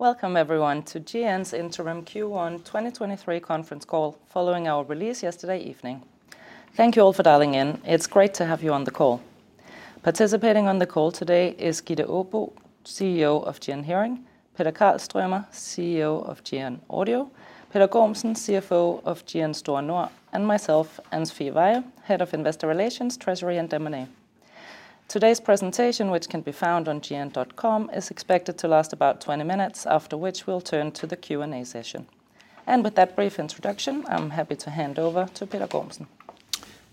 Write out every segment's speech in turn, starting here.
Welcome everyone to GN's Interim Q1 2023 Conference Call following our release yesterday evening. Thank you all for dialing in. It's great to have you on the call. Participating on the call today is Gitte Aabo, CEO of GN Hearing, Peter Karlströmmer, CEO of GN Audio, Peter Gormsen, CFO of GN Store Nord, and myself, Anne-Sofie Veyhe, Head of Investor Relations, Treasury, and M&A. Today's presentation, which can be found on gn.com, is expected to last about 20 minutes, after which we'll turn to the Q&A session. With that brief introduction, I'm happy to hand over to Peter Gormsen.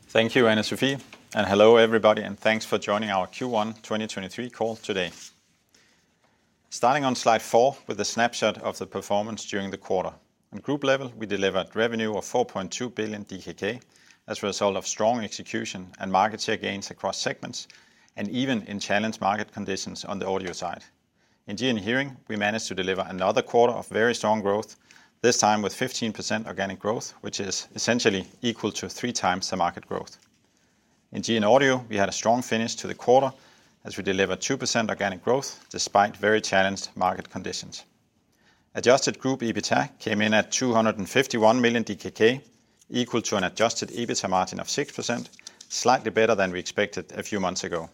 Thank you, Anne-Sophie, hello everybody, and thanks for joining our Q1 2023 call today. Starting on slide 4 with a snapshot of the performance during the quarter. On group level, we delivered revenue of 4.2 billion DKK as a result of strong execution and market share gains across segments, and even in challenged market conditions on the audio side. In GN Hearing, we managed to deliver another quarter of very strong growth, this time with 15% organic growth, which is essentially equal to 3x the market growth. In GN Audio, we had a strong finish to the quarter as we delivered 2% organic growth despite very challenged market conditions. Adjusted group EBITA came in at 251 million DKK, equal to an adjusted EBITA margin of 6%, slightly better than we expected a few months ago.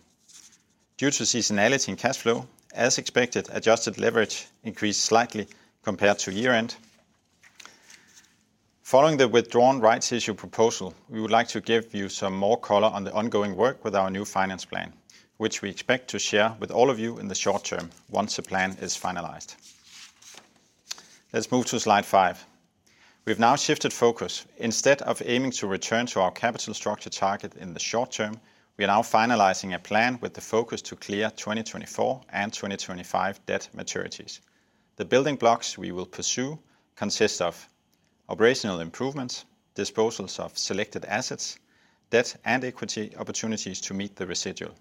Due to seasonality in cash flow, as expected, adjusted leverage increased slightly compared to year-end. Following the withdrawn rights issue proposal, we would like to give you some more color on the ongoing work with our new finance plan, which we expect to share with all of you in the short term once the plan is finalized. Let's move to slide 5. We've now shifted focus. Instead of aiming to return to our capital structure target in the short term, we are now finalizing a plan with the focus to clear 2024 and 2025 debt maturities. The building blocks we will pursue consist of operational improvements, disposals of selected assets, debt and equity opportunities to meet the residual.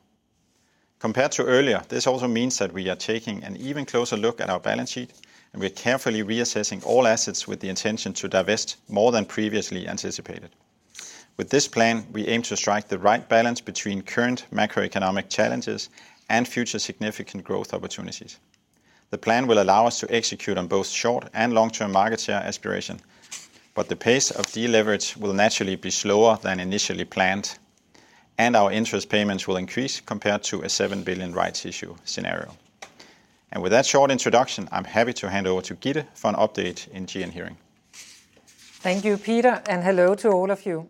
Compared to earlier, this also means that we are taking an even closer look at our balance sheet, and we are carefully reassessing all assets with the intention to divest more than previously anticipated. With this plan, we aim to strike the right balance between current macroeconomic challenges and future significant growth opportunities. The plan will allow us to execute on both short- and long-term market share aspiration, but the pace of deleverage will naturally be slower than initially planned, and our interest payments will increase compared to a 7 billion rights issue scenario. With that short introduction, I'm happy to hand over to Gitte for an update in GN Hearing. Thank you, Peter. Hello to all of you.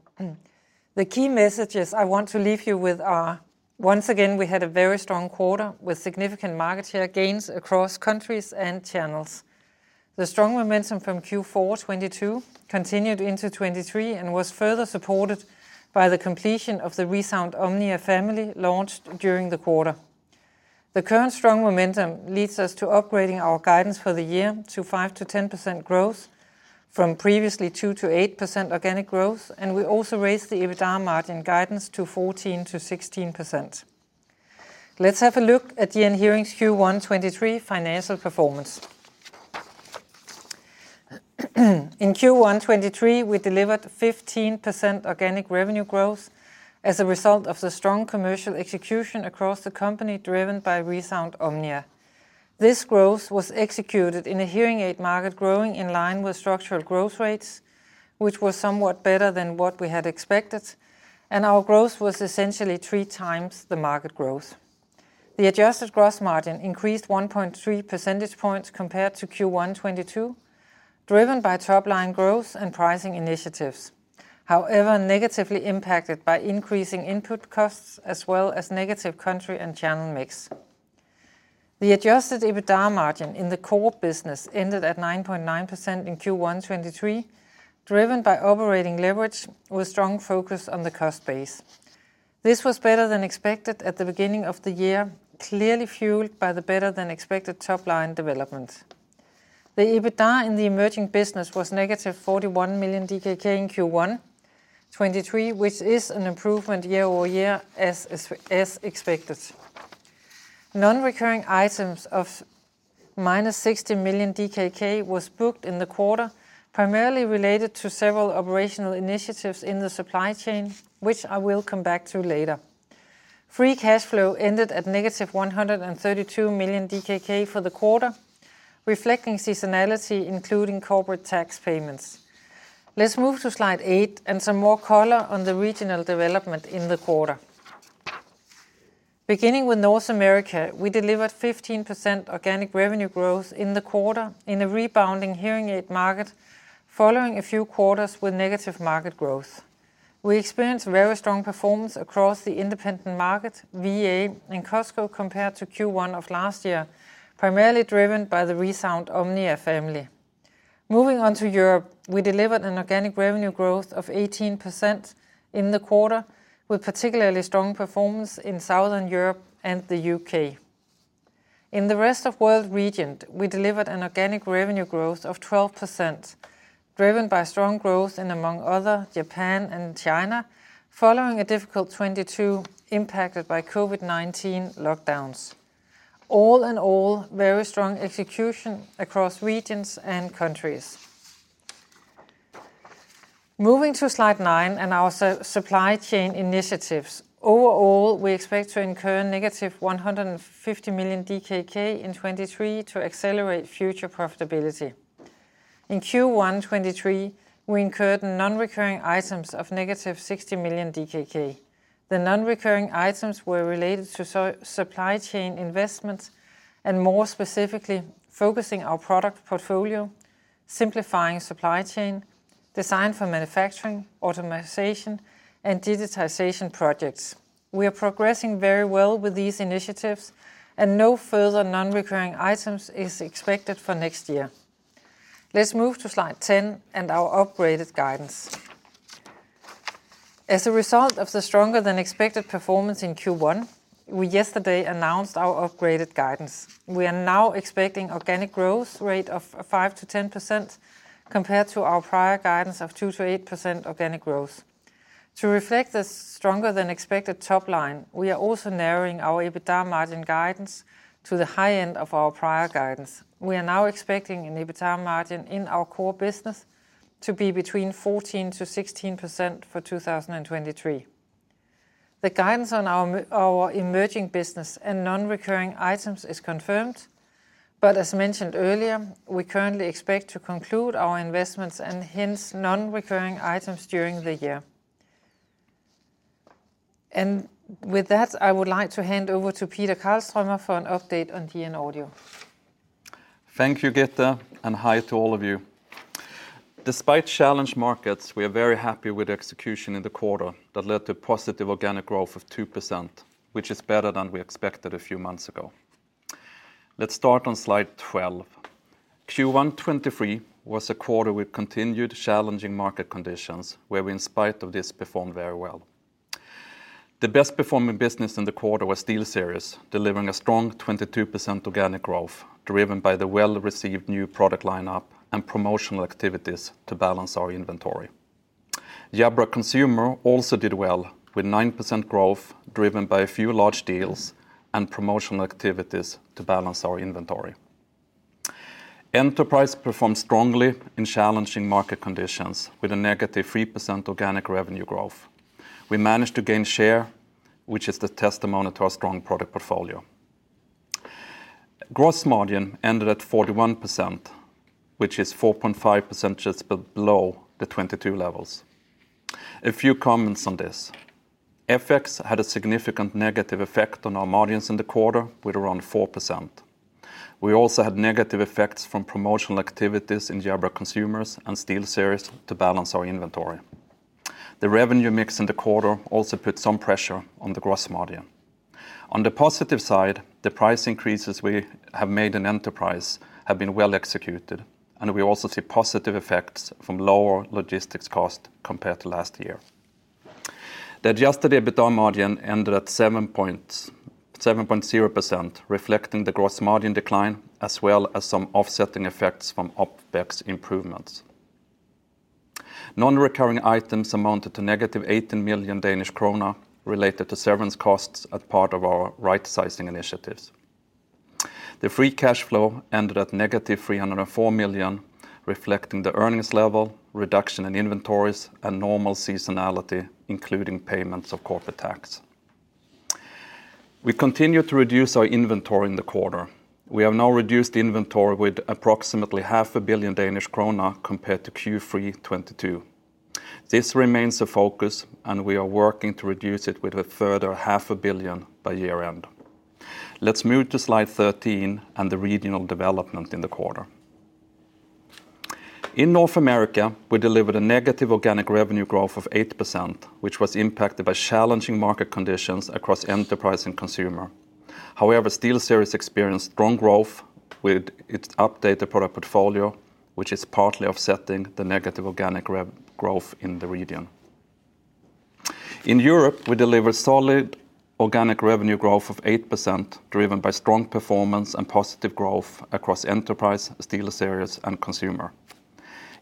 The key messages I want to leave you with are, once again, we had a very strong quarter with significant market share gains across countries and channels. The strong momentum from Q4 2022 continued into 2023 and was further supported by the completion of the ReSound OMNIA family launched during the quarter. The current strong momentum leads us to upgrading our guidance for the year to 5%-10% growth from previously 2%-8% organic growth, and we also raised the EBITA margin guidance to 14%-16%. Let's have a look at GN Hearing's Q1 2023 financial performance. In Q1 2023, we delivered 15% organic revenue growth as a result of the strong commercial execution across the company driven by ReSound OMNIA. This growth was executed in a hearing aid market growing in line with structural growth rates, which were somewhat better than what we had expected, and our growth was essentially 3x the market growth. The adjusted gross margin increased 1.3 percentage points compared to Q1 2022, driven by top-line growth and pricing initiatives, however, negatively impacted by increasing input costs as well as negative country and channel mix. The adjusted EBITA margin in the core business ended at 9.9% in Q1 2023, driven by operating leverage with strong focus on the cost base. This was better than expected at the beginning of the year, clearly fueled by the better than expected top-line development. The EBITA in the emerging business was negative 41 million DKK in Q1 2023, which is an improvement year-over-year as expected. Non-recurring items of -60 million DKK was booked in the quarter, primarily related to several operational initiatives in the supply chain, which I will come back to later. Free cash flow ended at -132 million DKK for the quarter, reflecting seasonality, including corporate tax payments. Let's move to slide 8 and some more color on the regional development in the quarter. Beginning with North America, we delivered 15% organic revenue growth in the quarter in a rebounding hearing aid market following a few quarters with negative market growth. We experienced very strong performance across the independent market, VA, and Costco compared to Q1 of last year, primarily driven by the ReSound OMNIA family. Moving on to Europe, we delivered an organic revenue growth of 18% in the quarter, with particularly strong performance in Southern Europe and the U.K. In the rest of world region, we delivered an organic revenue growth of 12%, driven by strong growth in, among other, Japan and China, following a difficult 2022 impacted by COVID-19 lockdowns. All in all, very strong execution across regions and countries. Moving to slide 9 and our so-supply chain initiatives. Overall, we expect to incur -150 million DKK in 2023 to accelerate future profitability. In Q1 2023, we incurred non-recurring items of -60 million DKK. The non-recurring items were related to so-supply chain investments and more specifically focusing our product portfolio, simplifying supply chain, design for manufacturing, automation, and digitization projects. We are progressing very well with these initiatives, and no further non-recurring items is expected for next year. Let's move to slide 10 and our upgraded guidance. As a result of the stronger than expected performance in Q1, we yesterday announced our upgraded guidance. We are now expecting organic growth rate of 5%-10% compared to our prior guidance of 2%-8% organic growth. To reflect the stronger than expected top line, we are also narrowing our EBITDA margin guidance to the high end of our prior guidance. We are now expecting an EBITDA margin in our core business to be between 14%-16% for 2023. The guidance on our emerging business and non-recurring items is confirmed. As mentioned earlier, we currently expect to conclude our investments and hence non-recurring items during the year. With that, I would like to hand over to Peter Karlstromer for an update on GN Audio. Thank you, Gitte, and hi to all of you. Despite challenged markets, we are very happy with the execution in the quarter that led to positive organic growth of 2%, which is better than we expected a few months ago. Let's start on slide 12. Q1 2023 was a quarter with continued challenging market conditions where we, in spite of this, performed very well. The best performing business in the quarter was SteelSeries, delivering a strong 22% organic growth, driven by the well-received new product line-up and promotional activities to balance our inventory. Jabra Consumer also did well with 9% growth, driven by a few large deals and promotional activities to balance our inventory. Enterprise performed strongly in challenging market conditions with a negative 3% organic revenue growth. We managed to gain share, which is the testimony to our strong product portfolio. Gross margin ended at 41%, which is 4.5% just below the 2022 levels. A few comments on this. FX had a significant negative effect on our margins in the quarter with around 4%. We also had negative effects from promotional activities in Jabra Consumer and SteelSeries to balance our inventory. The revenue mix in the quarter also put some pressure on the gross margin. On the positive side, the price increases we have made in Enterprise have been well executed, and we also see positive effects from lower logistics cost compared to last year. The adjusted EBITDA margin ended at 7.0%, reflecting the gross margin decline, as well as some offsetting effects from OpEx improvements. Non-recurring items amounted to -18 million Danish krone related to severance costs as part of our right sizing initiatives. The free cash flow ended at -304 million, reflecting the earnings level, reduction in inventories, and normal seasonality, including payments of corporate tax. We continue to reduce our inventory in the quarter. We have now reduced inventory with approximately half a billion Danish kroner compared to Q3 2022. This remains a focus, and we are working to reduce it with a further half a billion by year-end. Let's move to slide 13 and the regional development in the quarter. In North America, we delivered a negative organic revenue growth of 8%, which was impacted by challenging market conditions across Enterprise and Consumer. However, SteelSeries experienced strong growth with its updated product portfolio, which is partly offsetting the negative organic growth in the region. In Europe, we delivered solid organic revenue growth of 8%, driven by strong performance and positive growth across Enterprise, SteelSeries, and Consumer.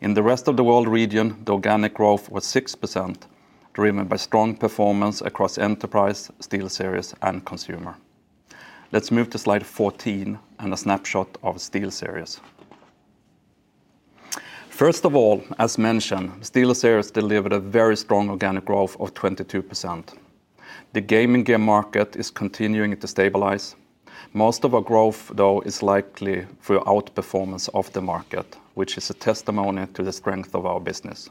In the rest of the world region, the organic growth was 6%, driven by strong performance across Enterprise, SteelSeries, and Consumer. Let's move to slide 14 and a snapshot of SteelSeries. First of all, as mentioned, SteelSeries delivered a very strong organic growth of 22%. The gaming gear market is continuing to stabilize. Most of our growth, though, is likely through outperformance of the market, which is a testimony to the strength of our business.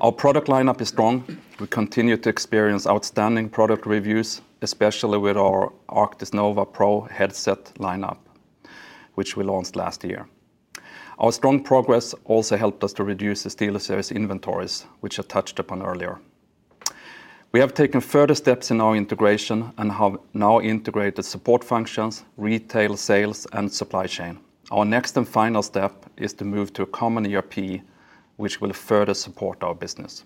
Our product line-up is strong. We continue to experience outstanding product reviews, especially with our Arctis Nova Pro headset line-up, which we launched last year. Our strong progress also helped us to reduce the SteelSeries inventories, which I touched upon earlier. We have taken further steps in our integration and have now integrated support functions, retail sales, and supply chain. Our next and final step is to move to a common ERP, which will further support our business.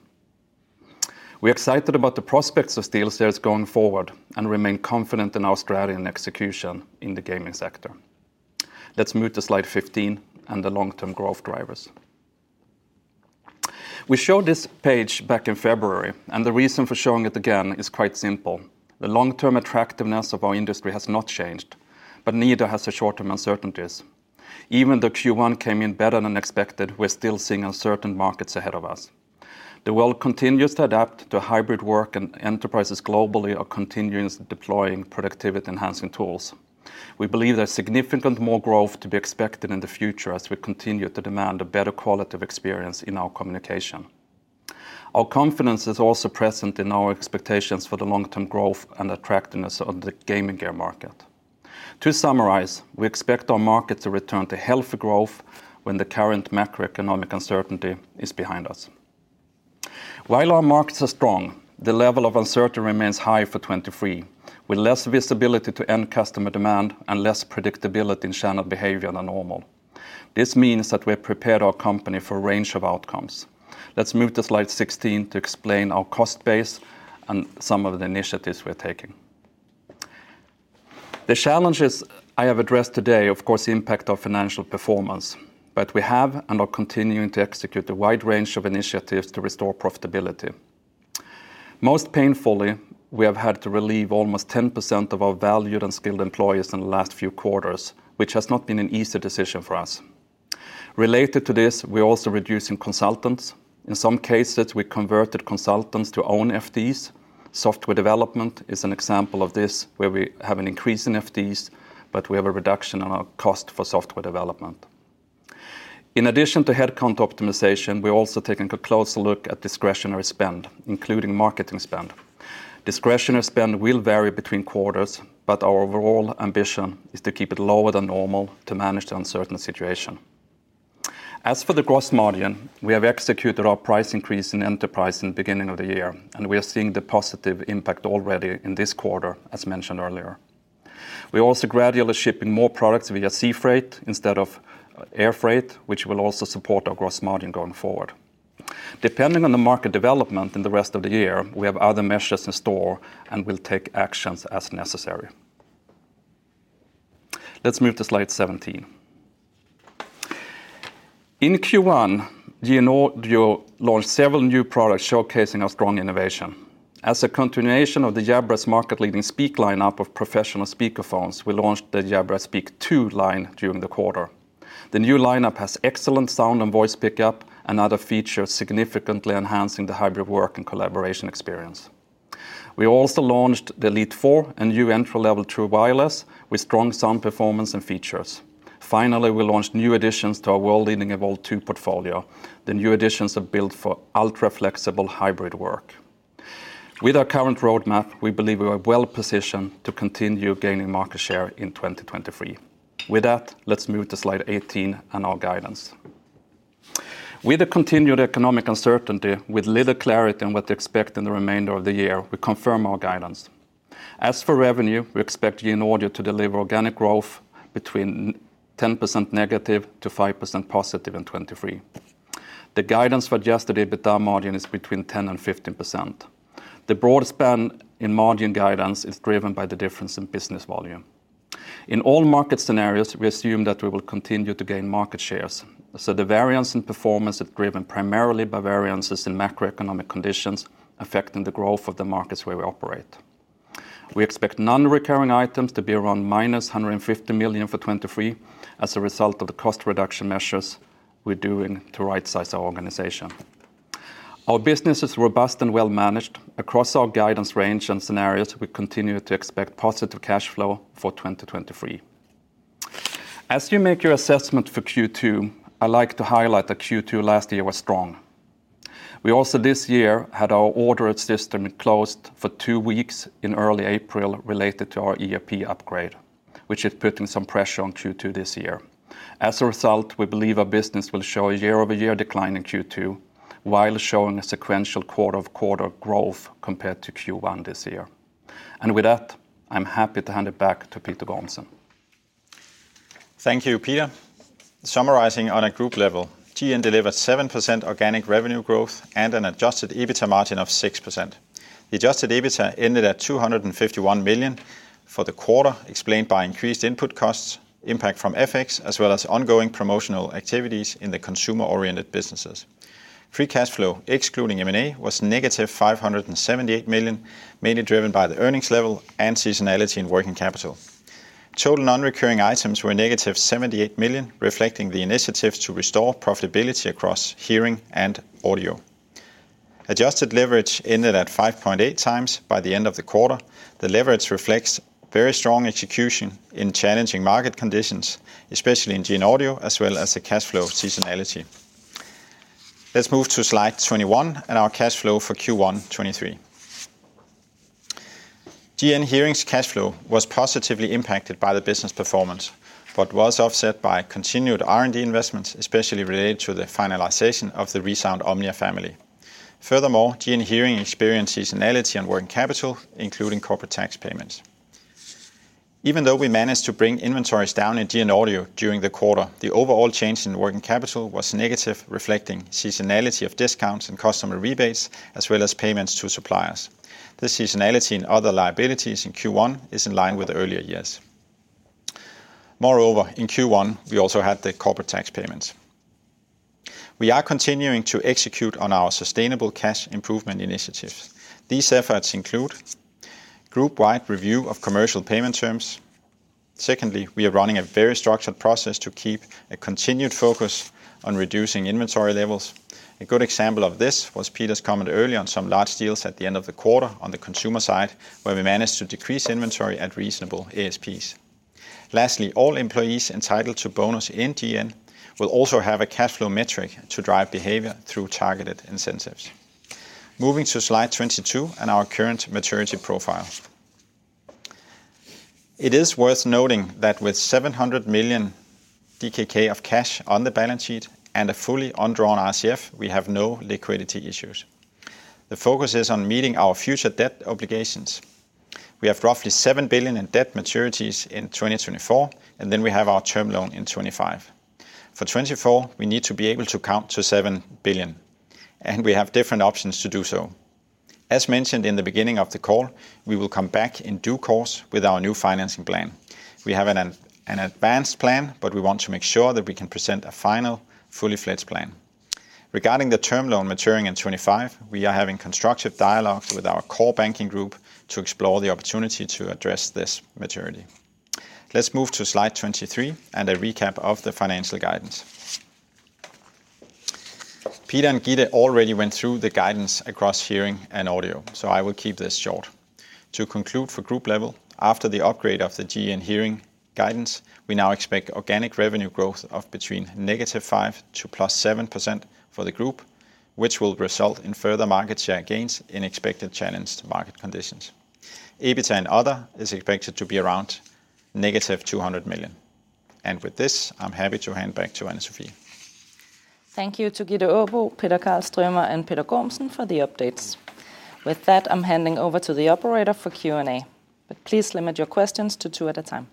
We're excited about the prospects of SteelSeries going forward and remain confident in our strategy and execution in the gaming sector. Let's move to slide 15 and the long-term growth drivers. We showed this page back in February, and the reason for showing it again is quite simple. The long-term attractiveness of our industry has not changed, but neither has the short-term uncertainties. Even though Q1 came in better than expected, we're still seeing uncertain markets ahead of us. The world continues to adapt to hybrid work, and enterprises globally are continuing deploying productivity-enhancing tools. We believe there's significant more growth to be expected in the future as we continue to demand a better quality of experience in our communication. Our confidence is also present in our expectations for the long-term growth and attractiveness of the gaming gear market. To summarize, we expect our market to return to healthy growth when the current macroeconomic uncertainty is behind us. While our markets are strong, the level of uncertainty remains high for 2023, with less visibility to end customer demand and less predictability in channel behavior than normal. This means that we have prepared our company for a range of outcomes. Let's move to slide 16 to explain our cost base and some of the initiatives we're taking. The challenges I have addressed today, of course, impact our financial performance, but we have and are continuing to execute a wide range of initiatives to restore profitability. Most painfully, we have had to relieve almost 10% of our valued and skilled employees in the last few quarters, which has not been an easy decision for us. Related to this, we're also reducing consultants. In some cases, we converted consultants to own FDs. Software development is an example of this, where we have an increase in FDs, but we have a reduction in our cost for software development. In addition to headcount optimization, we're also taking a closer look at discretionary spend, including marketing spend. Discretionary spend will vary between quarters, but our overall ambition is to keep it lower than normal to manage the uncertain situation. As for the gross margin, we have executed our price increase in enterprise in the beginning of the year, and we are seeing the positive impact already in this quarter, as mentioned earlier. We're also gradually shipping more products via sea freight instead of air freight, which will also support our gross margin going forward. Depending on the market development in the rest of the year, we have other measures in store, and we'll take actions as necessary. Let's move to slide 17. In Q1, GN Audio launched several new products showcasing our strong innovation. As a continuation of the Jabra's market-leading Speak lineup of professional speakerphones, we launched the Jabra Speak2 line during the quarter. The new lineup has excellent sound and voice pickup and other features, significantly enhancing the hybrid work and collaboration experience. We also launched the Elite 4 and new entry-level true wireless with strong sound performance and features. Finally, we launched new additions to our world-leading Evolve2 portfolio. The new additions are built for ultra-flexible hybrid work. With our current roadmap, we believe we are well-positioned to continue gaining market share in 2023. With that, let's move to slide 18 and our guidance. With the continued economic uncertainty, with little clarity on what to expect in the remainder of the year, we confirm our guidance. As for revenue, we expect GN Audio to deliver organic growth between -10% to +5% in 2023. The guidance for adjusted EBITDA margin is between 10% and 15%. The broad span in margin guidance is driven by the difference in business volume. In all market scenarios, we assume that we will continue to gain market shares, so the variance in performance is driven primarily by variances in macroeconomic conditions affecting the growth of the markets where we operate. We expect non-recurring items to be around -150 million for 2023 as a result of the cost reduction measures we're doing to right-size our organization. Our business is robust and well-managed. Across our guidance range and scenarios, we continue to expect positive cash flow for 2023. As you make your assessment for Q2, I like to highlight that Q2 last year was strong. We also this year had our ordered system closed for two weeks in early April related to our ERP upgrade, which is putting some pressure on Q2 this year. As a result, we believe our business will show a year-over-year decline in Q2 while showing a sequential quarter-over-quarter growth compared to Q1 this year. With that, I'm happy to hand it back to Peter Gormsen. Thank you, Peter. Summarizing on a group level, GN delivered 7% organic revenue growth and an adjusted EBITDA margin of 6%. The adjusted EBITDA ended at 251 million for the quarter, explained by increased input costs, impact from FX, as well as ongoing promotional activities in the consumer-oriented businesses. Free cash flow, excluding M&A, was -578 million, mainly driven by the earnings level and seasonality in working capital. Total non-recurring items were -78 million, reflecting the initiatives to restore profitability across hearing and audio. Adjusted leverage ended at 5.8x by the end of the quarter. The leverage reflects very strong execution in challenging market conditions, especially in GN Audio, as well as the cash flow seasonality. Let's move to slide 21 and our cash flow for Q1 2023. GN Hearing's cash flow was positively impacted by the business performance, but was offset by continued R&D investments, especially related to the finalization of the ReSound OMNIA family. Furthermore, GN Hearing experienced seasonality on working capital, including corporate tax payments. Even though we managed to bring inventories down in GN Audio during the quarter, the overall change in working capital was negative, reflecting seasonality of discounts and customer rebates, as well as payments to suppliers. The seasonality in other liabilities in Q1 is in line with the earlier years. Moreover, in Q1, we also had the corporate tax payments. We are continuing to execute on our sustainable cash improvement initiatives. These efforts include group-wide review of commercial payment terms. Secondly, we are running a very structured process to keep a continued focus on reducing inventory levels. A good example of this was Peter's comment earlier on some large deals at the end of the quarter on the consumer side, where we managed to decrease inventory at reasonable ASPs. Lastly, all employees entitled to bonus in GN will also have a cash flow metric to drive behavior through targeted incentives. Moving to slide 22 and our current maturity profile. It is worth noting that with 700 million DKK of cash on the balance sheet and a fully undrawn RCF, we have no liquidity issues. The focus is on meeting our future debt obligations. We have roughly 7 billion in debt maturities in 2024, and then we have our term loan in 2025. For 2024, we need to be able to count to 7 billion, and we have different options to do so. As mentioned in the beginning of the call, we will come back in due course with our new financing plan. We have an advanced plan, we want to make sure that we can present a final, fully-fledged plan. Regarding the term loan maturing in 2025, we are having constructive dialogue with our core banking group to explore the opportunity to address this maturity. Let's move to slide 23 and a recap of the financial guidance. Peter and Gitte already went through the guidance across GN Hearing and GN Audio, I will keep this short. To conclude for group level, after the upgrade of the GN Hearing guidance, we now expect organic revenue growth of between -5% to +7% for the group, which will result in further market share gains in expected challenged market conditions. EBITA and other is expected to be around -200 million. With this, I'm happy to hand back to Anne-Sophie. Thank you to Gitte Aabo, Peter Karlstromer, and Peter Gormsen for the updates. With that, I'm handing over to the operator for Q&A. Please limit your questions to two at a time.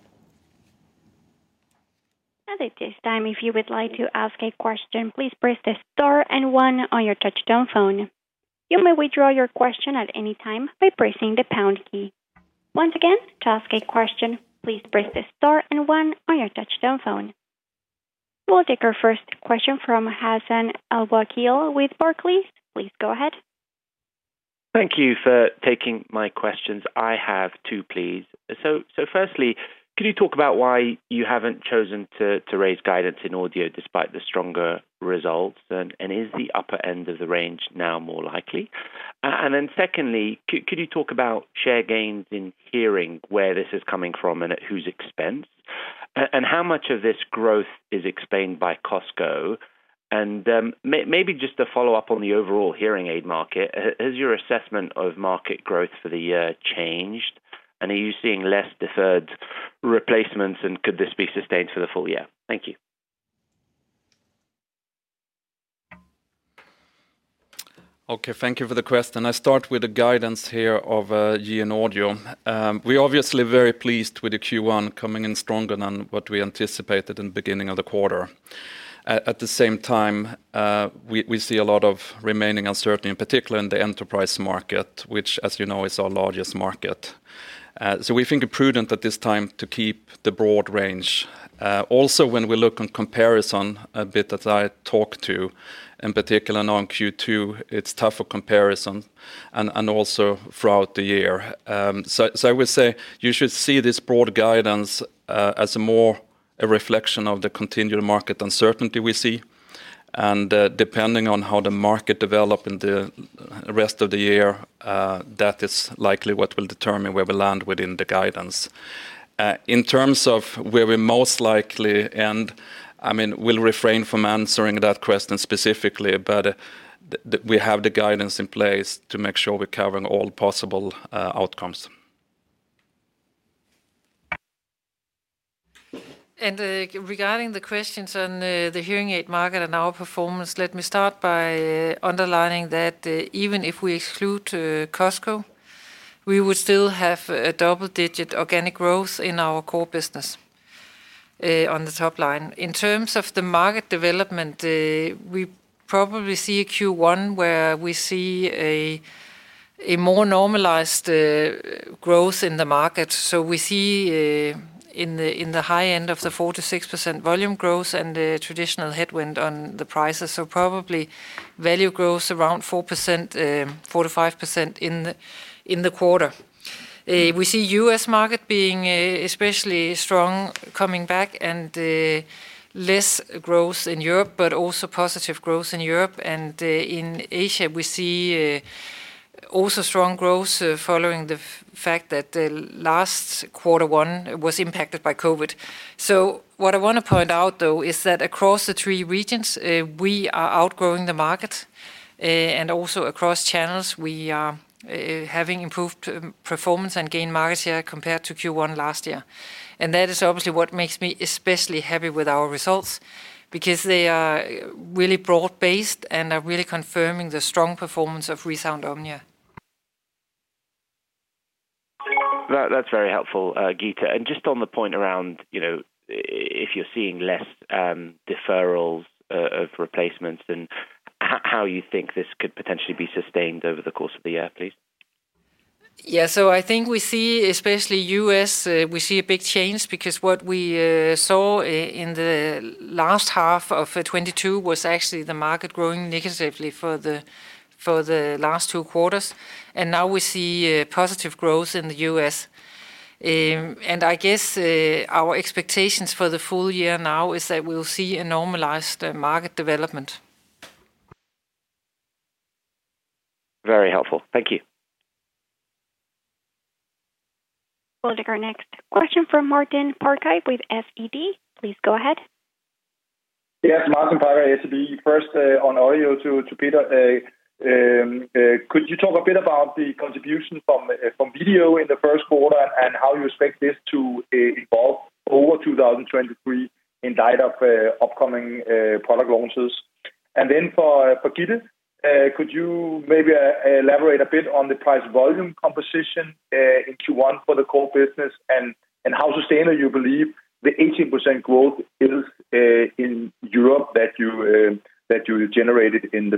At this time, if you would like to ask a question, please press star and one on your touchtone phone. You may withdraw your question at any time by pressing the pound key. Once again, to ask a question, please press star and one on your touchtone phone. We'll take our first question from Hassan Al-Wakeel with Barclays. Please go ahead. Thank you for taking my questions. I have two, please. Firstly, could you talk about why you haven't chosen to raise guidance in Audio despite the stronger results? Is the upper end of the range now more likely? Then secondly, could you talk about share gains in Hearing, where this is coming from and at whose expense? How much of this growth is explained by Costco? Maybe just to follow up on the overall hearing aid market, has your assessment of market growth for the year changed? Are you seeing less deferred replacements, and could this be sustained for the full year? Thank you. Thank you for the question. I start with the guidance here of GN Audio. We're obviously very pleased with the Q1 coming in stronger than what we anticipated in the beginning of the quarter. At the same time, we see a lot of remaining uncertainty, in particular in the enterprise market, which, as you know, is our largest market. We think it prudent at this time to keep the broad range. When we look on comparison a bit, as I talked to, in particular now in Q2, it's tough for comparison and also throughout the year. I would say you should see this broad guidance as more a reflection of the continued market uncertainty we see. Depending on how the market develop in the rest of the year, that is likely what will determine where we land within the guidance. In terms of where we're most likely I mean, we'll refrain from answering that question specifically, but the we have the guidance in place to make sure we're covering all possible outcomes. Regarding the questions on the hearing aid market and our performance, let me start by underlining that even if we exclude Costco, we would still have a double-digit organic growth in our core business on the top line. In terms of the market development, we probably see Q1 where we see a more normalized growth in the market. We see in the high end of the 4%-6% volume growth and the traditional headwind on the prices. Probably value growth around 4%, 4%-5% in the quarter. We see U.S. market being especially strong coming back and less growth in Europe, but also positive growth in Europe. In Asia, we see also strong growth following the fact that the last quarter one was impacted by COVID. What I wanna point out, though, is that across the three regions, we are outgrowing the market, and also across channels, we are having improved performance and gain market share compared to Q1 last year. That is obviously what makes me especially happy with our results because they are really broad-based and are really confirming the strong performance of ReSound OMNIA. That's very helpful, Gitte. Just on the point around, you know, if you're seeing less, of replacements and how you think this could potentially be sustained over the course of the year, please? Yeah. I think we see, especially U.S., we see a big change because what we saw in the last half of 2022 was actually the market growing negatively for the last two quarters. Now we see positive growth in the U.S. I guess our expectations for the full year now is that we'll see a normalized market development. Very helpful. Thank you. We'll take our next question from Martin Parkhøj with SEB. Please go ahead. Yes. Martin Parkhøj, SEB. First, on audio to Peter. Could you talk a bit about the contribution from video in the 1st quarter and how you expect this to evolve over 2023 in light of upcoming product launches? Then for Gitte, could you maybe elaborate a bit on the price volume composition in Q1 for the core business and how sustainable you believe the 18% growth is in Europe that you generated in the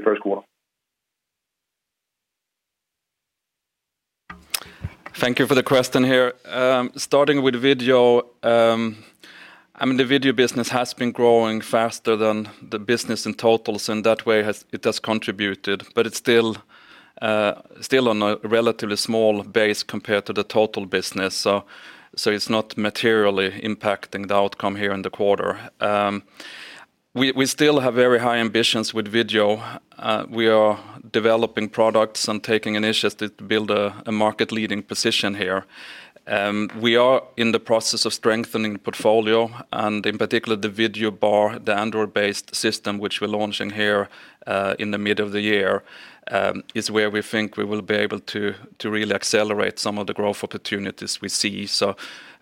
1st quarter? Thank you for the question here. I mean, the video business has been growing faster than the business in total, so in that way it has contributed, but it's still on a relatively small base compared to the total business. It's not materially impacting the outcome here in the quarter. We still have very high ambitions with video. We are developing products and taking initiatives to build a market-leading position here. We are in the process of strengthening the portfolio, and in particular, the video bar, the Android-based system which we're launching here, in the mid of the year, is where we think we will be able to really accelerate some of the growth opportunities we see.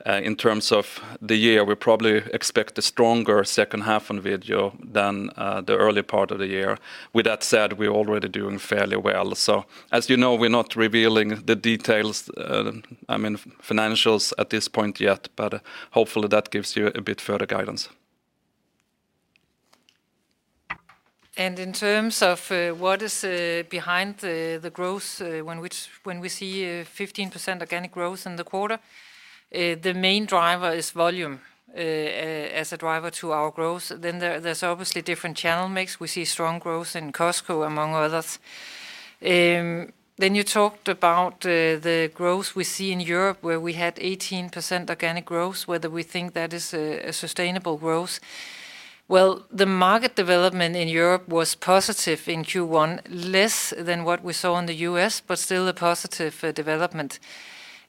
In terms of the year, we probably expect a stronger second half on video than the early part of the year. With that said, we're already doing fairly well. As you know, we're not revealing the details, I mean, financials at this point yet, but hopefully that gives you a bit further guidance. In terms of what is behind the growth, when we see a 15% organic growth in the quarter, the main driver is volume as a driver to our growth. There's obviously different channel mix. We see strong growth in Costco among others. You talked about the growth we see in Europe, where we had 18% organic growth, whether we think that is a sustainable growth. The market development in Europe was positive in Q1, less than what we saw in the U.S., but still a positive development.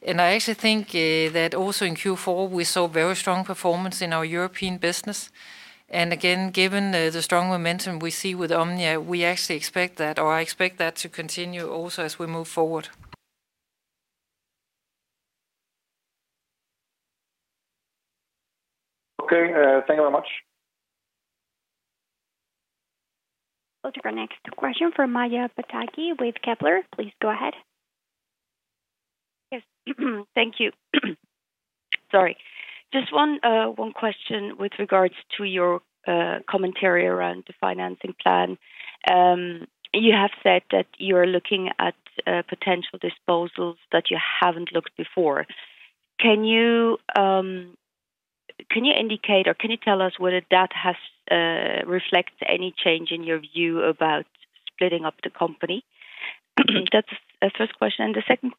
I actually think that also in Q4 we saw very strong performance in our European business. Again, given the strong momentum we see with OMNIA, we actually expect that or I expect that to continue also as we move forward. Okay. Thank you very much. We'll take our next question from Maja Pataki with Kepler. Please go ahead. Yes. Thank you. Sorry. Just one question with regards to your commentary around the financing plan. You have said that you're looking at potential disposals that you haven't looked before. Can you indicate or can you tell us whether that has reflects any change in your view about splitting up the company? That's the first question. The second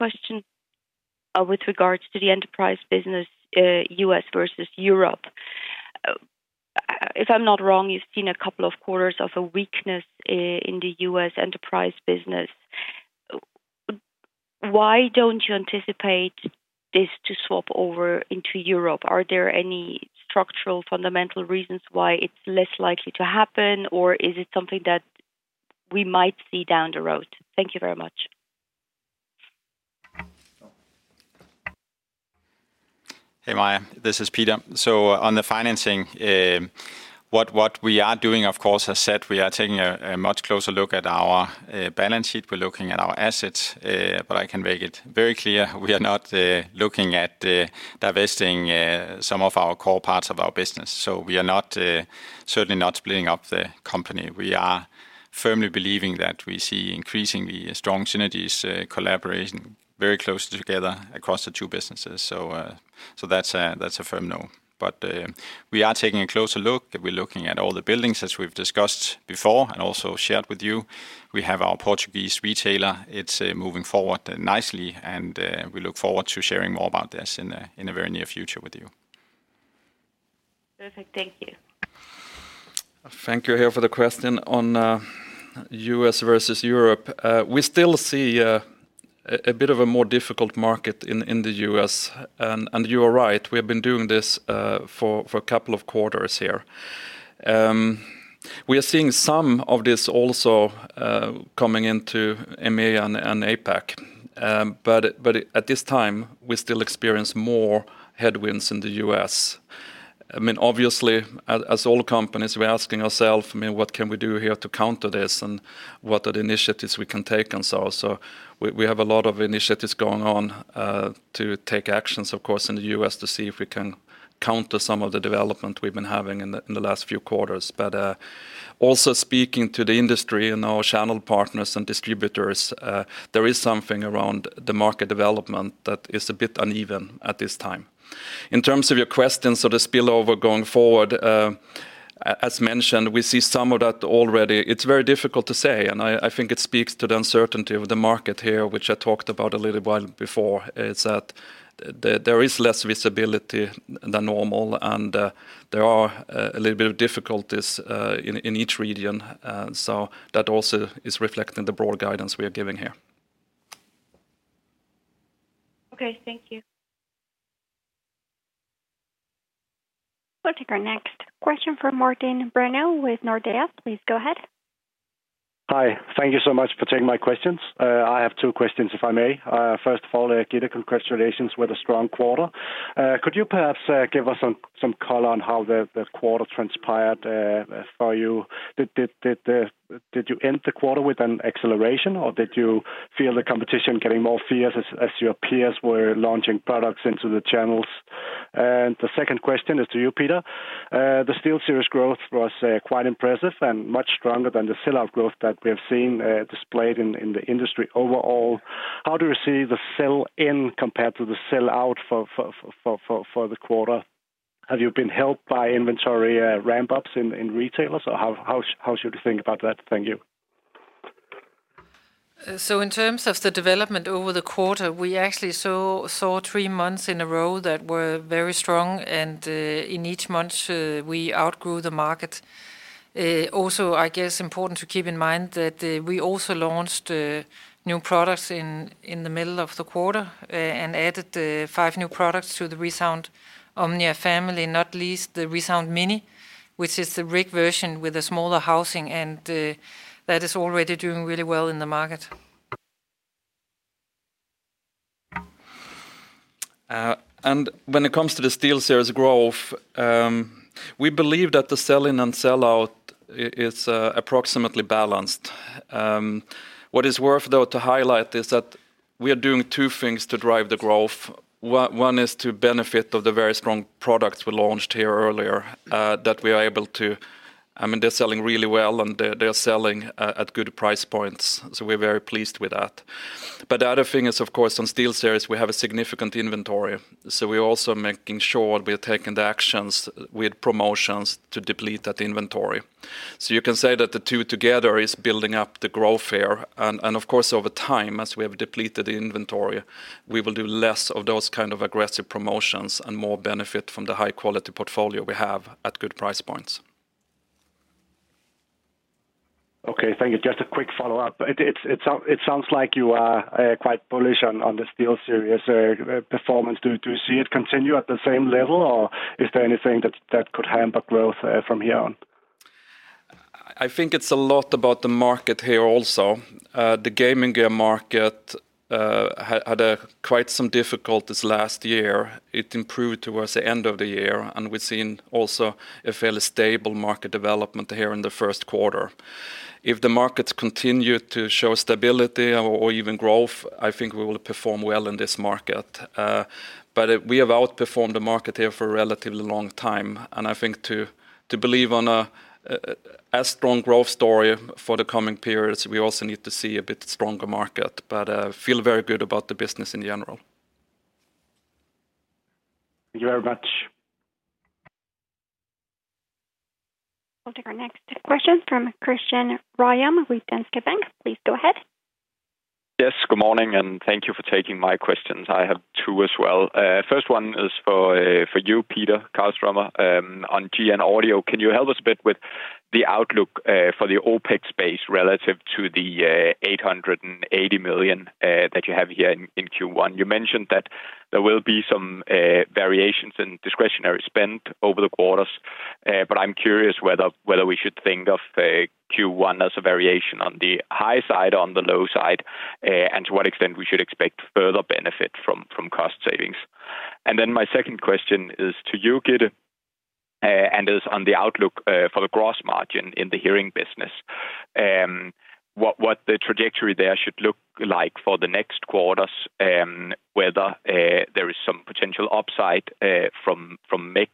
question, with regards to the enterprise business, U.S. versus Europe. If I'm not wrong, you've seen a couple of quarters of a weakness in the U.S. enterprise business. Why don't you anticipate this to swap over into Europe? Are there any structural fundamental reasons why it's less likely to happen, or is it something that we might see down the road? Thank you very much. Hey, Maja, this is Peter. On the financing, what we are doing, of course, as said, we are taking a much closer look at our balance sheet. We're looking at our assets. But I can make it very clear we are not looking at divesting some of our core parts of our business. We are certainly not splitting up the company. We are firmly believing that we see increasingly strong synergies, collaboration very closely together across the two businesses. That's a firm no. But we are taking a closer look. We're looking at all the buildings as we've discussed before and also shared with you. We have our Portuguese retailer. It's moving forward nicely. We look forward to sharing more about this in a very near future with you. Perfect. Thank you. Thank you here for the question on U.S. versus Europe. We still see a bit of a more difficult market in the U.S. You are right, we have been doing this for a couple of quarters here. We are seeing some of this also coming into EMEA and APAC. At this time, we still experience more headwinds in the U.S. I mean, obviously, as all companies, we're asking ourselves, I mean, what can we do here to counter this, and what are the initiatives we can take and so on. We have a lot of initiatives going on to take actions of course in the U.S. to see if we can counter some of the development we've been having in the last few quarters. Also speaking to the industry and our channel partners and distributors, there is something around the market development that is a bit uneven at this time. In terms of your questions of the spillover going forward, as mentioned, we see some of that already. It's very difficult to say, and I think it speaks to the uncertainty of the market here, which I talked about a little while before, is that there is less visibility than normal and there are a little bit of difficulties in each region. That also is reflected in the broad guidance we are giving here. Okay, thank you. We'll take our next question from Martin Brenøe with Nordea. Please go ahead. Hi. Thank you so much for taking my questions. I have two questions, if I may. First of all, Gitte, congratulations with a strong quarter. Could you perhaps give us some color on how the quarter transpired for you? Did you end the quarter with an acceleration, or did you feel the competition getting more fierce as your peers were launching products into the channels? The second question is to you, Peter. The SteelSeries growth was quite impressive and much stronger than the sell-out growth that we have seen displayed in the industry overall. How do you see the sell-in compared to the sell-out for the quarter? Have you been helped by inventory ramp-ups in retailers, or how should we think about that? Thank you. In terms of the development over the quarter, we actually saw three months in a row that were very strong and in each month, we outgrew the market. Also, I guess, important to keep in mind that we also launched new products in the middle of the quarter and added five new products to the ReSound OMNIA family, not least the ReSound Mini, which is a RIC version with a smaller housing and that is already doing really well in the market. When it comes to the SteelSeries growth, we believe that the sell-in and sell-out is approximately balanced. What is worth though to highlight is that we are doing two things to drive the growth. One is to benefit of the very strong products we launched here earlier. I mean, they're selling really well, and they're selling at good price points, so we're very pleased with that. The other thing is, of course, on SteelSeries, we have a significant inventory, so we're also making sure we are taking the actions with promotions to deplete that inventory. You can say that the two together is building up the growth here and of course, over time, as we have depleted the inventory, we will do less of those kind of aggressive promotions and more benefit from the high quality portfolio we have at good price points. Okay, thank you. Just a quick follow-up. It sounds like you are quite bullish on the SteelSeries performance. Do you see it continue at the same level, or is there anything that could hamper growth from here on? I think it's a lot about the market here also. The gaming gear market had a quite some difficulties last year. It improved towards the end of the year. We've seen also a fairly stable market development here in the 1st quarter. If the markets continue to show stability or even growth, I think we will perform well in this market. We have outperformed the market here for a relatively long time. I think to believe on a strong growth story for the coming periods, we also need to see a bit stronger market. Feel very good about the business in general. Thank you very much. We'll take our next question from Christian Ryom with Danske Bank. Please go ahead. Good morning, and thank you for taking my questions. I have two as well. First one is for you, Peter Karlstromer. On GN Audio, can you help us a bit with the outlook for the OpEx base relative to the 880 million that you have here in Q1? You mentioned that there will be some variations in discretionary spend over the quarters, but I'm curious whether we should think of Q1 as a variation on the high side or on the low side, and to what extent we should expect further benefit from cost savings. My second question is to you, Gitte, and is on the outlook for the gross margin in the hearing business. What the trajectory there should look like for the next quarters, whether there is some potential upside from mix,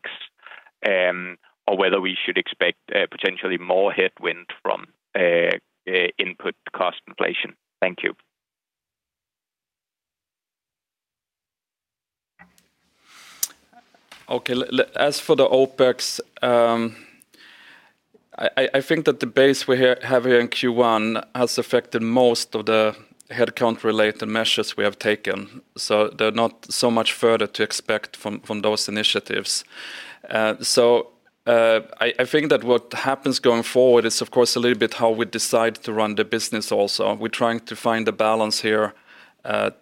or whether we should expect potentially more headwind from input cost inflation? Thank you. Okay. As for the OpEx, I think that the base we have here in Q1 has affected most of the headcount-related measures we have taken, so there's not so much further to expect from those initiatives. I think that what happens going forward is, of course, a little bit how we decide to run the business also. We're trying to find a balance here,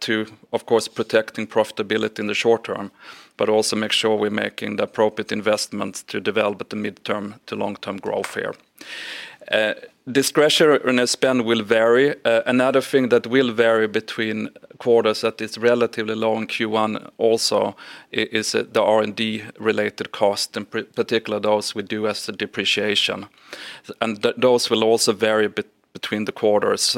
to, of course, protecting profitability in the short term, but also make sure we're making the appropriate investments to develop the midterm to long-term growth here. Discretionary spend will vary. Another thing that will vary between quarters that is relatively low in Q1 also is the R&D related cost, in particular those we do as the depreciation. Those will also vary between the quarters.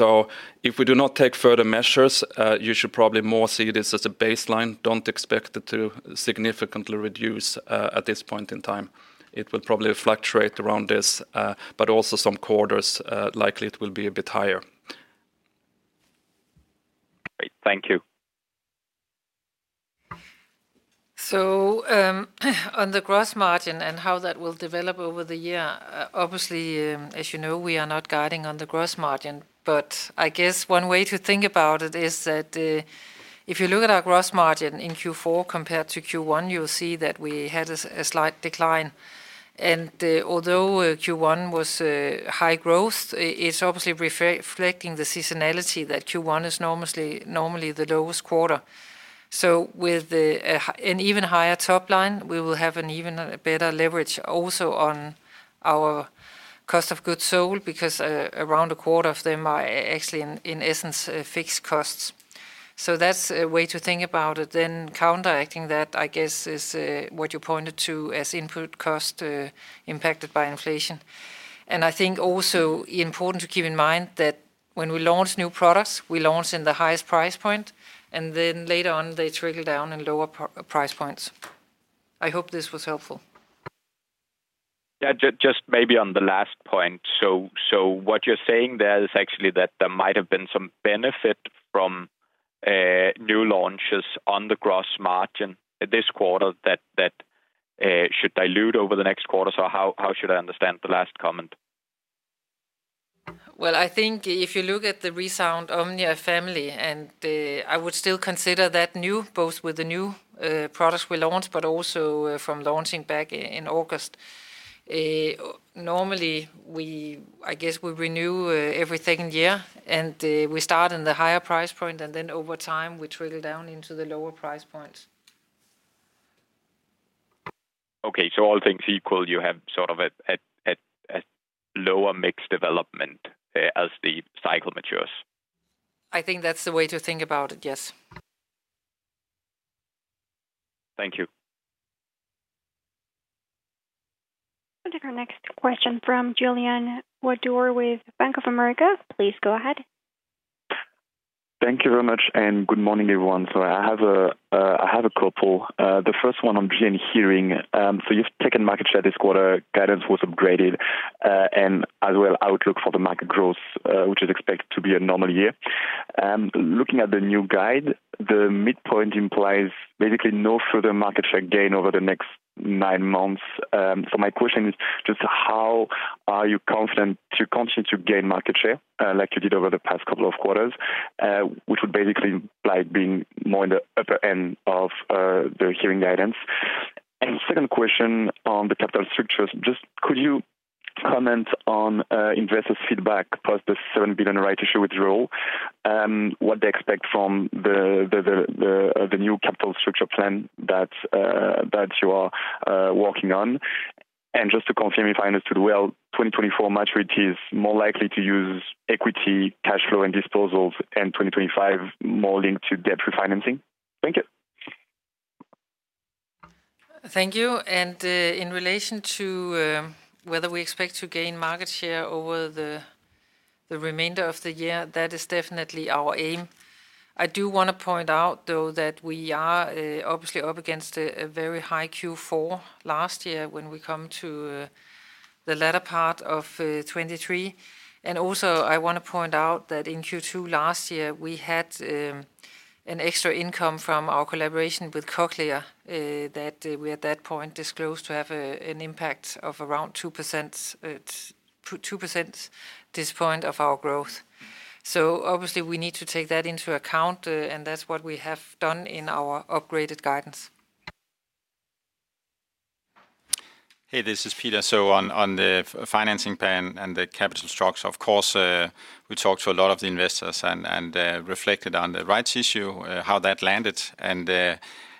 If we do not take further measures, you should probably more see this as a baseline. Don't expect it to significantly reduce at this point in time. It will probably fluctuate around this, but also some quarters, likely it will be a bit higher. Thank you. On the gross margin and how that will develop over the year, obviously, as you know, we are not guiding on the gross margin. I guess one way to think about it is that, if you look at our gross margin in Q4 compared to Q1, you'll see that we had a slight decline. Although Q1 was high growth, it's obviously reflecting the seasonality that Q1 is normally the lowest quarter. With the an even higher top line, we will have an even better leverage also on our cost of goods sold, because around a quarter of them are actually in essence, fixed costs. That's a way to think about it. Counteracting that, I guess, is what you pointed to as input cost impacted by inflation. I think also important to keep in mind that when we launch new products, we launch in the highest price point, and then later on they trickle down in lower price points. I hope this was helpful. Yeah, just maybe on the last point. What you're saying there is actually that there might have been some benefit from new launches on the gross margin this quarter that should dilute over the next quarter. How should I understand the last comment? I think if you look at the ReSound OMNIA family, and I would still consider that new, both with the new products we launched, but also from launching back in August. Normally I guess we renew every second year, and we start in the higher price point, and then over time, we trickle down into the lower price points. Okay. All things equal, you have sort of a lower mixed development as the cycle matures. I think that's the way to think about it, yes. Thank you. We'll take our next question from Julien Ouaddour with Bank of America. Please go ahead. Thank you very much, and good morning, everyone. I have a couple. The first one on GN Hearing. You've taken market share this quarter, guidance was upgraded, and as well, outlook for the market growth, which is expected to be a normal year. Looking at the new guide, the midpoint implies basically no further market share gain over the next nine months. My question is just how are you confident to continue to gain market share, like you did over the past couple of quarters, which would basically imply being more in the upper end of the hearing guidance. Second question on the capital structures, just could you comment on investors' feedback post the 7 billion right issue withdrawal, what they expect from the new capital structure plan that you are working on? Just to confirm if I understood well, 2024 maturity is more likely to use equity cash flow and disposals, and 2025 more linked to debt refinancing. Thank you. Thank you. In relation to whether we expect to gain market share over the remainder of the year, that is definitely our aim. I do wanna point out, though, that we are obviously up against a very high Q4 last year when we come to the latter part of 2023. Also, I wanna point out that in Q2 last year, we had an extra income from our collaboration with Cochlear that we at that point disclosed to have an impact of around 2%, 2% at this point of our growth. Obviously, we need to take that into account, and that's what we have done in our upgraded guidance. Hey, this is Peter. On the financing plan and the capital structure, of course, we talked to a lot of the investors and reflected on the rights issue, how that landed, and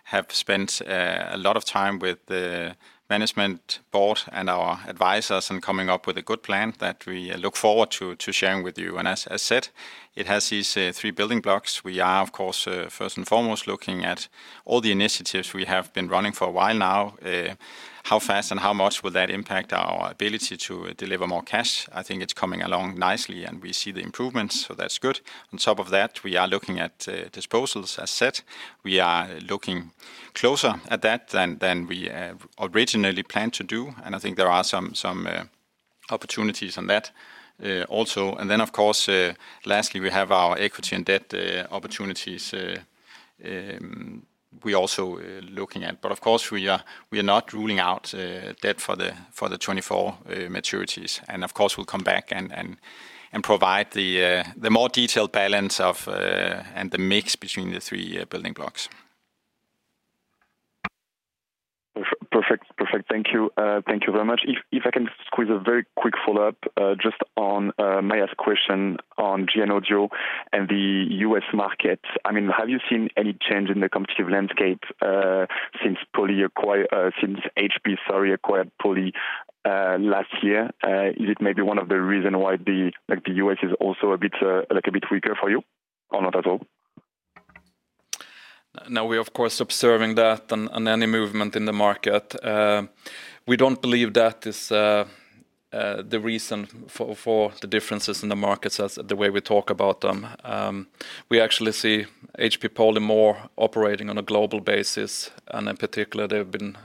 have spent a lot of time with the management board and our advisors in coming up with a good plan that we look forward to sharing with you. As said, it has these three building blocks. We are, of course, first and foremost looking at all the initiatives we have been running for a while now. How fast and how much will that impact our ability to deliver more cash? I think it's coming along nicely, and we see the improvements, so that's good. On top of that, we are looking at disposals as said. We are looking closer at that than we originally planned to do, and I think there are some opportunities on that also. Of course, lastly, we have our equity and debt opportunities we're also looking at. Of course, we are not ruling out debt for the for the 2024 maturities. Of course, we'll come back and provide the more detailed balance of and the mix between the three building blocks. Perfect. Thank you. Thank you very much. If, if I can squeeze a very quick follow-up, just on Maja's question on GN Audio and the U.S. market. I mean, have you seen any change in the competitive landscape, since Poly acquired, since HP acquired Poly, last year? Is it maybe one of the reason why the, like, the U.S. is also a bit, like a bit weaker for you, or not at all? We're of course observing that on any movement in the market. We don't believe that is the reason for the differences in the markets as the way we talk about them. We actually see HP Poly more operating on a global basis, and in particular, they've been,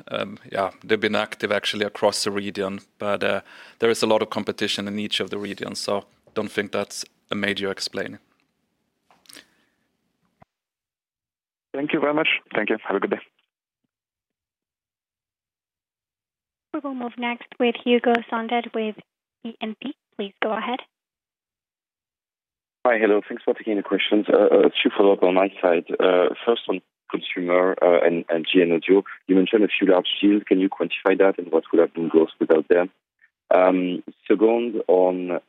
yeah, they've been active actually across the region. There is a lot of competition in each of the regions, so don't think that's a major explanation. Thank you very much. Thank you. Have a good day. We will move next with Hugo Solvet with Exane BNP. Please go ahead. Hi. Hello. Thanks for taking the questions. Two follow-up on my side. First on consumer, and GN Audio. You mentioned a few large deals. Can you quantify that? What would have been gross without them? Second on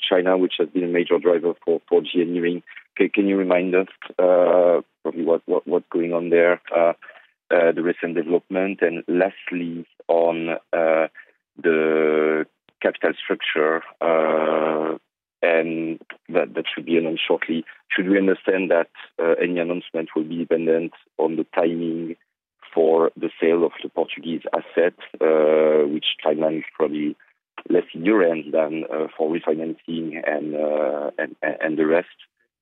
China, which has been a major driver for GN Hearing. Can you remind us probably what's going on there, the recent development? Lastly, on the capital structure, and that should be announced shortly. Should we understand that any announcement will be dependent on the timing for the sale of the Portuguese asset, which timeline is probably less urgent than for refinancing and the rest?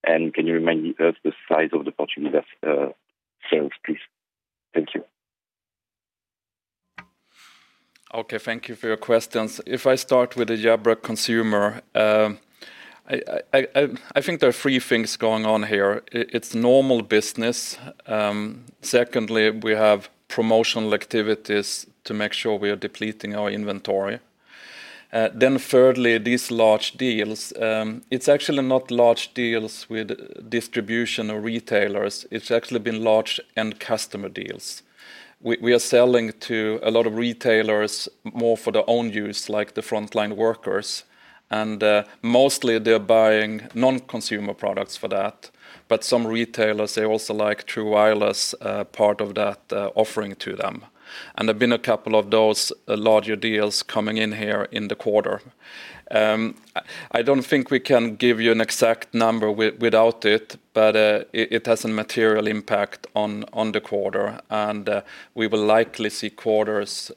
Can you remind me of the size of the Portuguese sales, please? Thank you. Okay, thank you for your questions. If I start with the Jabra Consumer, I think there are three things going on here. It's normal business. Secondly, we have promotional activities to make sure we are depleting our inventory. Thirdly, these large deals. It's actually not large deals with distribution or retailers. It's actually been large end customer deals. We are selling to a lot of retailers more for their own use, like the frontline workers. Mostly they're buying non-consumer products for that. Some retailers, they also like true wireless part of that offering to them. There've been a couple of those larger deals coming in here in the quarter. I don't think we can give you an exact number without it, but it has a material impact on the quarter. We will likely see quarters,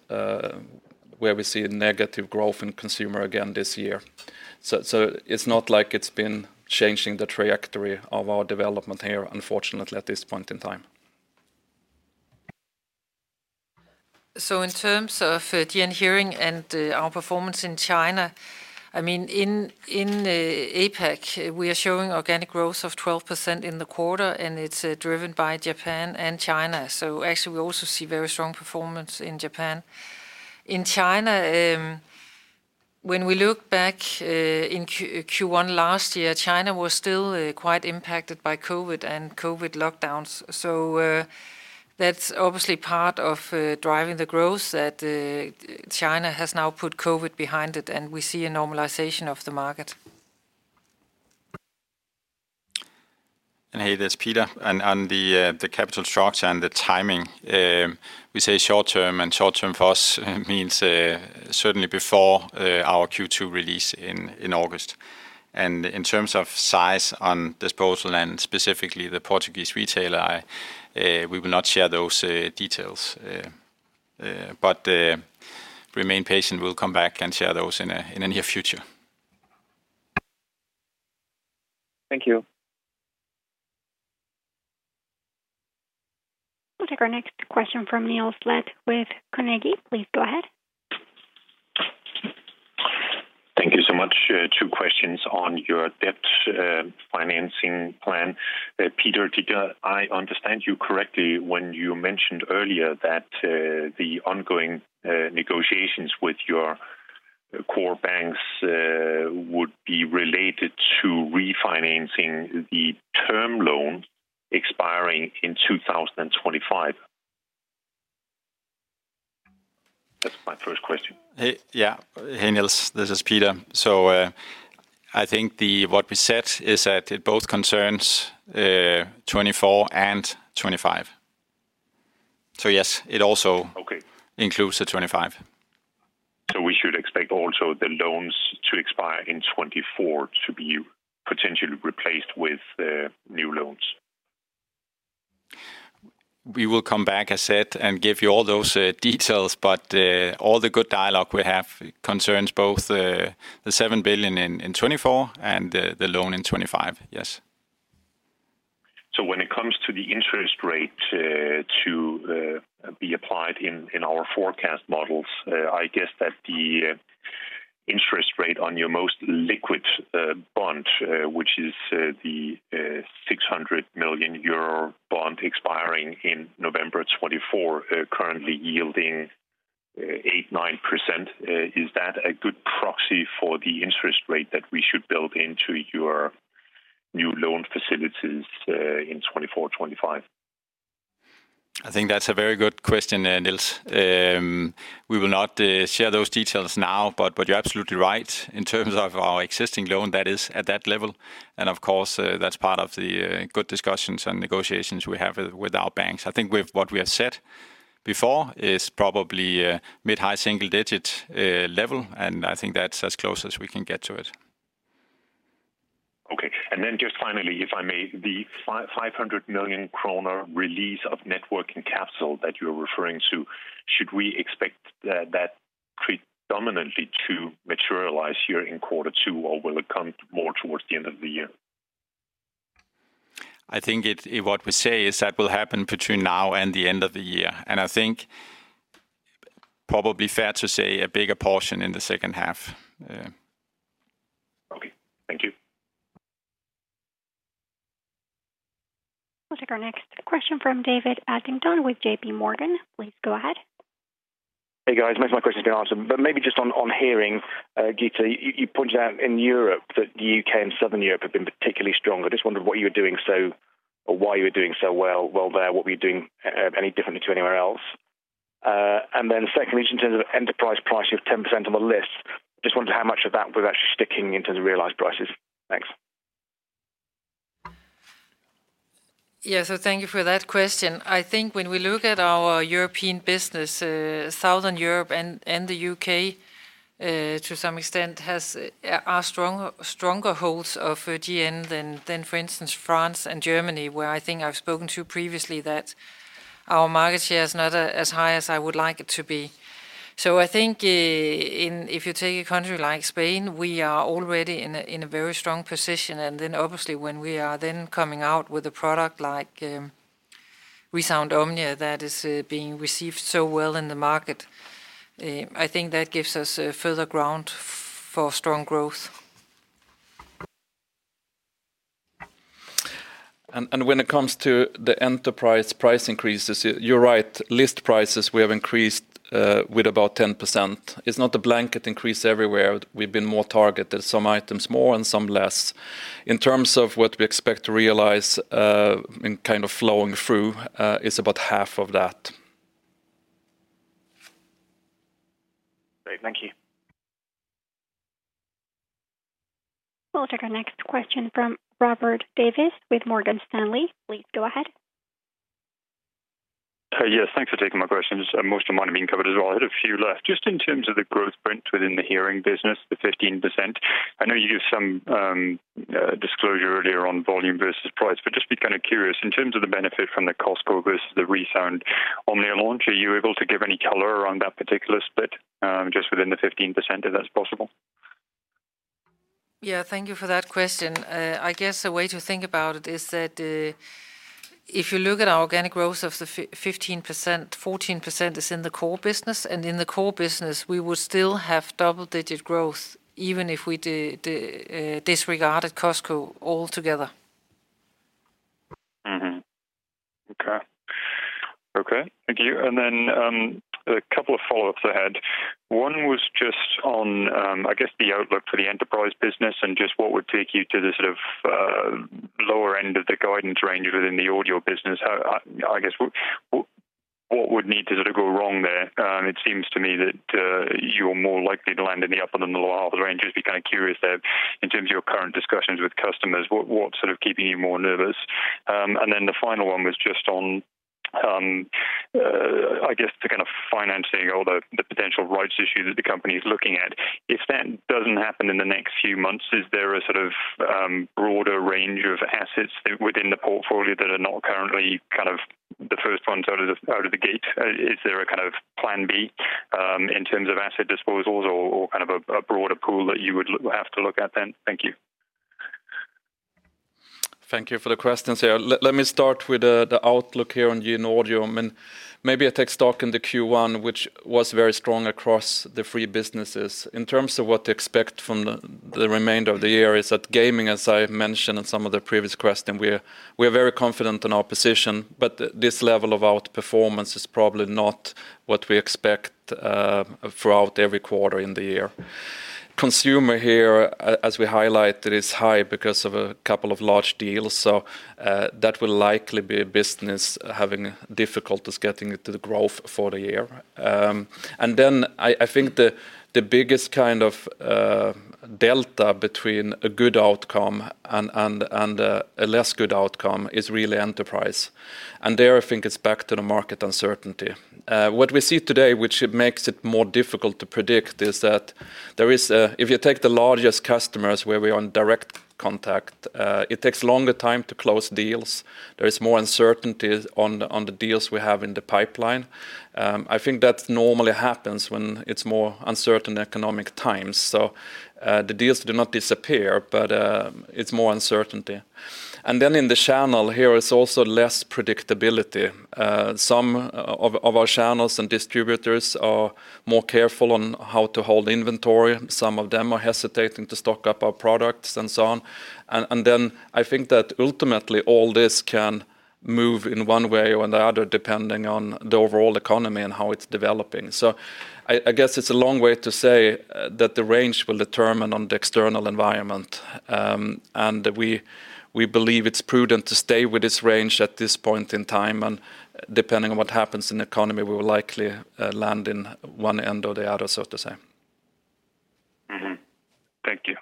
where we see a negative growth in consumer again this year. It's not like it's been changing the trajectory of our development here, unfortunately, at this point in time. In terms of GN Hearing and our performance in China, in APAC, we are showing organic growth of 12% in the quarter, and it's driven by Japan and China. Actually we also see very strong performance in Japan. In China, when we look back in Q1 last year, China was still quite impacted by COVID and COVID lockdowns. That's obviously part of driving the growth that China has now put COVID behind it, and we see a normalization of the market. Hey, there's Peter. On the capital structure and the timing, we say short term, and short term for us means certainly before our Q2 release in August. In terms of size on disposal and specifically the Portuguese retailer, we will not share those details. Remain patient. We'll come back and share those in the near future. Thank you. We'll take our next question from Niels Granholm-Leth with Carnegie. Please go ahead. Thank you so much. Two questions on your debt financing plan. Peter, did I understand you correctly when you mentioned earlier that the ongoing negotiations with your core banks would be related to refinancing the term loan expiring in 2025? That's my first question. Hey. Yeah. Hey, Niels. This is Peter. I think what we said is that it both concerns 2024 and 2025. Yes. Okay. It also includes the 25. We should expect also the loans to expire in 2024 to be potentially replaced with, new loans? We will come back, I said, give you all those details. All the good dialogue we have concerns both the 7 billion in 2024 and the loan in 2025. Yes. When it comes to the interest rate to be applied in our forecast models, I guess that the interest rate on your most liquid bond, which is the 600 million euro bond expiring in November 2024, currently yielding 8.9%, is that a good proxy for the interest rate that we should build into your new loan facilities in 2024-2025? I think that's a very good question, Niels. We will not share those details now, but you're absolutely right. In terms of our existing loan, that is at that level. Of course, that's part of the good discussions and negotiations we have with our banks. I think with what we have said before is probably a mid-high single digit level. I think that's as close as we can get to it. Okay. Then just finally, if I may, the 500 million kroner release of network and capsule that you're referring to, should we expect that predominantly to materialize here in quarter two, or will it come more towards the end of the year? I think what we say is that will happen between now and the end of the year. I think probably fair to say a bigger portion in the 2nd half. Thank you. We'll take our next question from David Adlington with JP Morgan. Please go ahead. Hey, guys. Most of my questions have been answered. Maybe just on hearing, Gitte, you pointed out in Europe that the U.K. and Southern Europe have been particularly strong. I just wondered what you were doing so or why you were doing so well there, what you're doing, any differently to anywhere else? Secondly, just in terms of enterprise pricing of 10% on the list, just wondered how much of that was actually sticking into the realized prices. Thanks. Thank you for that question. I think when we look at our European business, Southern Europe and the U.K., to some extent are stronger holds of GN than for instance, France and Germany, where I think I've spoken to previously that our market share is not as high as I would like it to be. I think if you take a country like Spain, we are already in a very strong position. Obviously when we are then coming out with a product like ReSound OMNIA that is being received so well in the market, I think that gives us further ground for strong growth. When it comes to the enterprise price increases, you're right. List prices we have increased with about 10%. It's not a blanket increase everywhere. We've been more targeted, some items more and some less. In terms of what we expect to realize in kind of flowing through is about half of that. Great. Thank you. We'll take our next question from Robert Davies with Morgan Stanley. Please go ahead. Yes, thanks for taking my questions. Most of mine have been covered as well. I had a few left. Just in terms of the growth print within the hearing business, the 15%, I know you gave some disclosure earlier on volume versus price, but just be kinda curious, in terms of the benefit from the Costco versus the ReSound OMNIA launch, are you able to give any color around that particular split, just within the 15%, if that's possible? Yeah. Thank you for that question. I guess a way to think about it is that, if you look at our organic growth of the 15%, 14% is in the core business. In the core business, we would still have double-digit growth even if we disregarded Costco altogether. Okay. Okay. Thank you. A couple of follow-ups I had. One was just on, I guess the outlook for the enterprise business and just what would take you to the sort of lower end of the guidance range within the audio business. I guess, what would need to sort of go wrong there? It seems to me that you're more likely to land in the upper than the lower range. Just be kinda curious there. In terms of your current discussions with customers, what's sort of keeping you more nervous? The final one was just on, I guess the kind of financing or the potential rights issue that the company is looking at. If that doesn't happen in the next few months, is there a sort of broader range of assets within the portfolio that are not currently kind of the first ones out of the, out of the gate? Is there a kind of plan B in terms of asset disposals or kind of a broader pool that you would have to look at then? Thank you. Thank you for the questions here. Let me start with the outlook here on GN Audio. I mean, maybe I take stock in the Q1, which was very strong across the three businesses. In terms of what to expect from the remainder of the year is that gaming, as I mentioned in some of the previous question, we're very confident in our position, but this level of outperformance is probably not what we expect throughout every quarter in the year. Consumer here, as we highlighted, is high because of a couple of large deals. That will likely be a business having difficulties getting it to the growth for the year. I think the biggest kind of delta between a good outcome and a less good outcome is really enterprise. There I think it's back to the market uncertainty. What we see today, which it makes it more difficult to predict, is that there is. If you take the largest customers where we are in direct contact, it takes longer time to close deals. There is more uncertainty on the deals we have in the pipeline. I think that normally happens when it's more uncertain economic times. The deals do not disappear, but it's more uncertainty. In the channel here is also less predictability. Some of our channels and distributors are more careful on how to hold inventory. Some of them are hesitating to stock up our products and so on. I think that ultimately all this can move in one way or the other, depending on the overall economy and how it's developing. I guess it's a long way to say that the range will determine on the external environment. We believe it's prudent to stay with this range at this point in time. Depending on what happens in the economy, we will likely land in one end or the other, so to say. Mm-hmm. Thank you.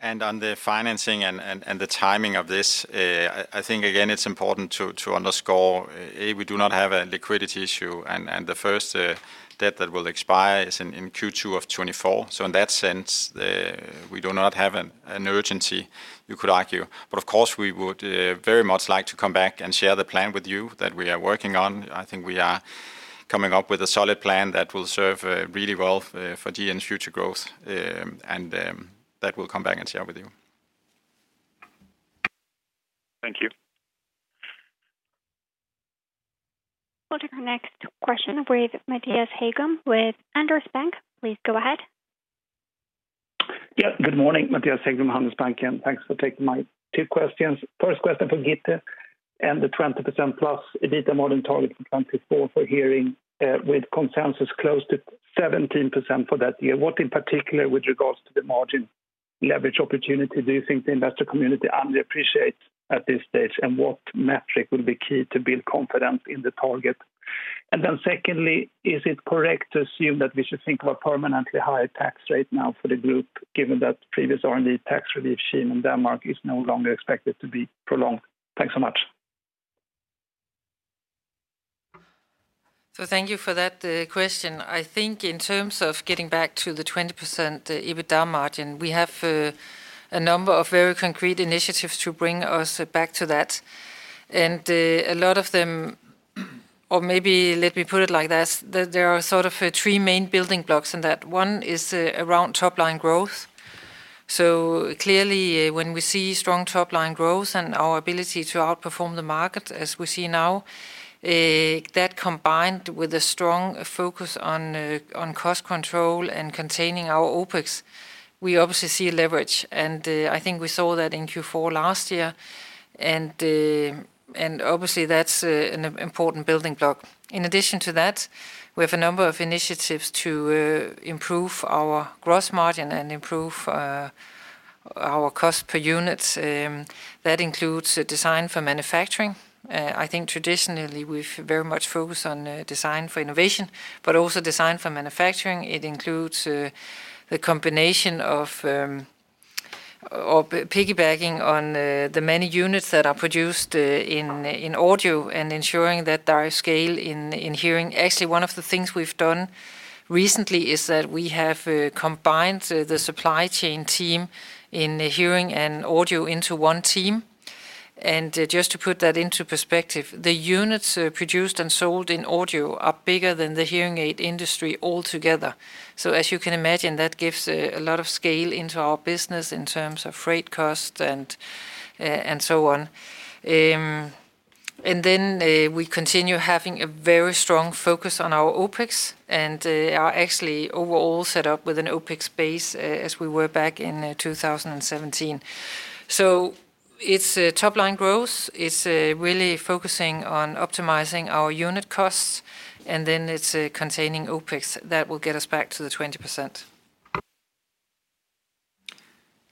On the financing and the timing of this, I think again, it's important to underscore, we do not have a liquidity issue, and the first debt that will expire is in Q2 of 2024. In that sense, we do not have an urgency, you could argue. Of course, we would very much like to come back and share the plan with you that we are working on. I think we are coming up with a solid plan that will serve really well for GN's future growth, and that we'll come back and share with you. Thank you. We'll take our next question with Mattias Häggblom with Handelsbanken. Please go ahead. Yeah. Good morning, Mattias Häggblom, Handelsbanken. Thanks for taking my two questions. First question for Gitte. The 20% plus EBITDA margin target in 2024 for hearing, with consensus close to 17% for that year. What in particular with regards to the margin leverage opportunity do you think the investor community underappreciates at this stage, and what metric will be key to build confidence in the target? Secondly, is it correct to assume that we should think about permanently higher tax rate now for the group, given that previous R&D tax relief seen in Denmark is no longer expected to be prolonged? Thanks so much. Thank you for that, question. I think in terms of getting back to the 20% EBITDA margin, we have, a number of very concrete initiatives to bring us back to that. A lot of them, or maybe let me put it like this, that there are sort of, three main building blocks in that. One is, around top line growth. Clearly when we see strong top line growth and our ability to outperform the market as we see now, that combined with a strong focus on cost control and containing our OpEx, we obviously see a leverage. I think we saw that in Q4 last year, and obviously that's, an important building block. In addition to that, we have a number of initiatives to improve our gross margin and improve our cost per units. That includes design for manufacturing. I think traditionally we've very much focused on design for innovation, but also design for manufacturing. It includes the combination of piggybacking on the many units that are produced in audio and ensuring that there are scale in Hearing. Actually, one of the things we've done recently is that we have combined the supply chain team in Hearing and Audio into one team. Just to put that into perspective, the units produced and sold in Audio are bigger than the Hearing aid industry altogether. As you can imagine, that gives a lot of scale into our business in terms of freight cost and so on. We continue having a very strong focus on our OpEx and are actually overall set up with an OpEx base as we were back in 2017. It's top line growth. It's really focusing on optimizing our unit costs, and then it's containing OpEx that will get us back to the 20%.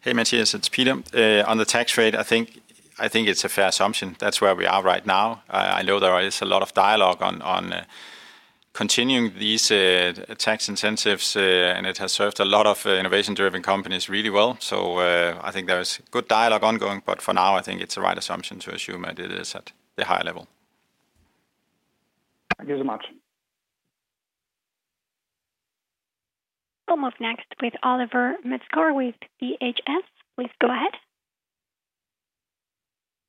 Hey, Mattias, it's Peter. On the tax rate, I think it's a fair assumption. That's where we are right now. I know there is a lot of dialogue on continuing these tax incentives, and it has served a lot of innovation-driven companies really well. I think there is good dialogue ongoing, but for now I think it's the right assumption to assume that it is at the high level. Thank you so much. We'll move next with Oliver Metzger with BHF. Please go ahead.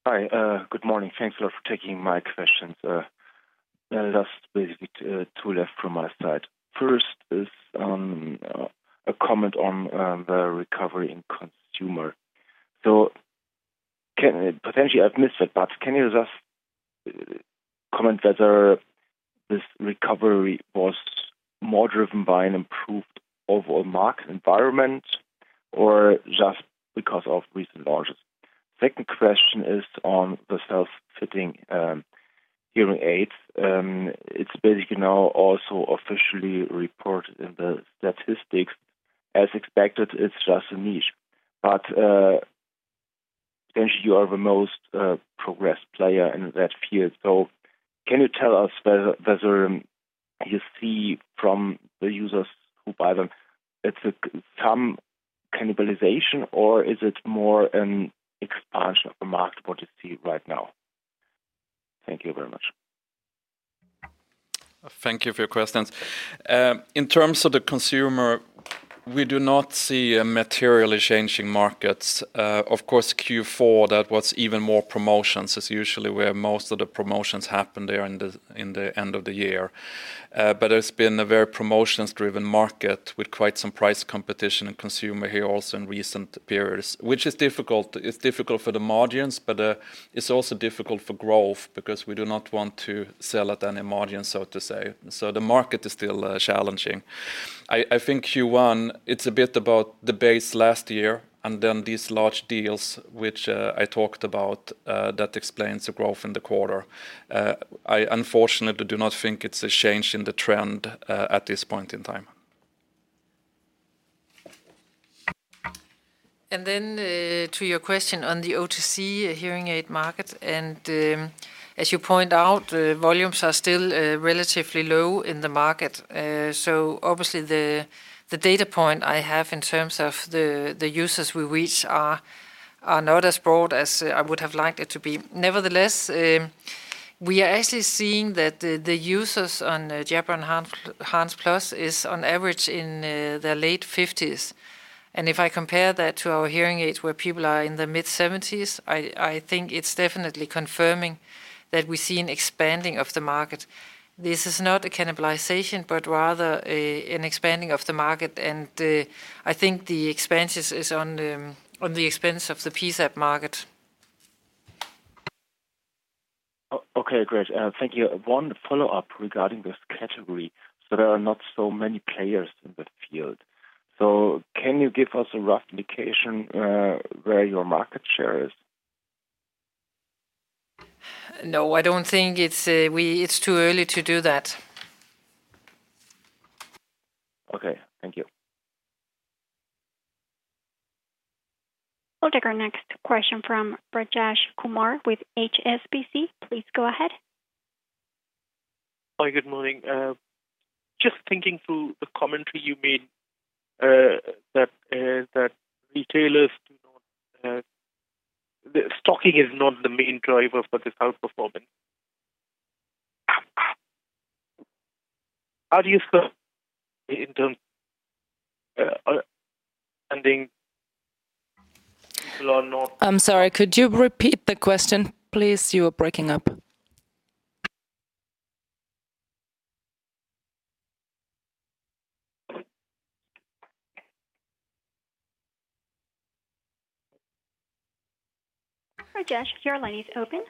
Hi. Good morning. Thanks a lot for taking my questions. Just basically two left from my side. First is a comment on the recovery in consumer. Potentially I've missed it, but can you just comment whether this recovery was more driven by an improved overall market environment or just because of recent launches? Second question is on the self-fitting hearing aids. It's basically now also officially reported in the statistics. As expected, it's just a niche. Potentially you are the most progressed player in that field. Can you tell us whether you see from the users who buy them, it's some cannibalization, or is it more an expansion of the market, what you see right now? Thank you very much. Thank you for your questions. In terms of the consumer, we do not see a materially changing markets. Of course, Q4, that was even more promotions. It's usually where most of the promotions happen there in the, in the end of the year. It's been a very promotions-driven market with quite some price competition in consumer here also in recent periods, which is difficult. It's difficult for the margins, but it's also difficult for growth because we do not want to sell at any margin, so to say. The market is still challenging. I think Q1, it's a bit about the base last year and then these large deals which I talked about that explains the growth in the quarter. I unfortunately do not think it's a change in the trend at this point in time. To your question on the OTC hearing aid market, as you point out, volumes are still relatively low in the market. So obviously the data point I have in terms of the users we reach are not as broad as I would have liked it to be. Nevertheless, we are actually seeing that the users on Jabra Enhance Plus is on average in their late 50s. If I compare that to our hearing aids where people are in their mid-70s, I think it's definitely confirming that we see an expanding of the market. This is not a cannibalization, but rather an expanding of the market. I think the expansion is on the expense of the PSAP market. Okay, great. Thank you. One follow-up regarding this category. There are not so many players in the field. Can you give us a rough indication, where your market share is? No. It's too early to do that. Okay, thank you. We'll take our next question from Rajesh Kumar with HSBC. Please go ahead. Hi, good morning. just thinking through the commentary you made, that retailers do not, the stocking is not the main driver for this outperformance. How do you... I'm sorry, could you repeat the question, please? You are breaking up. Rajesh, your line is open.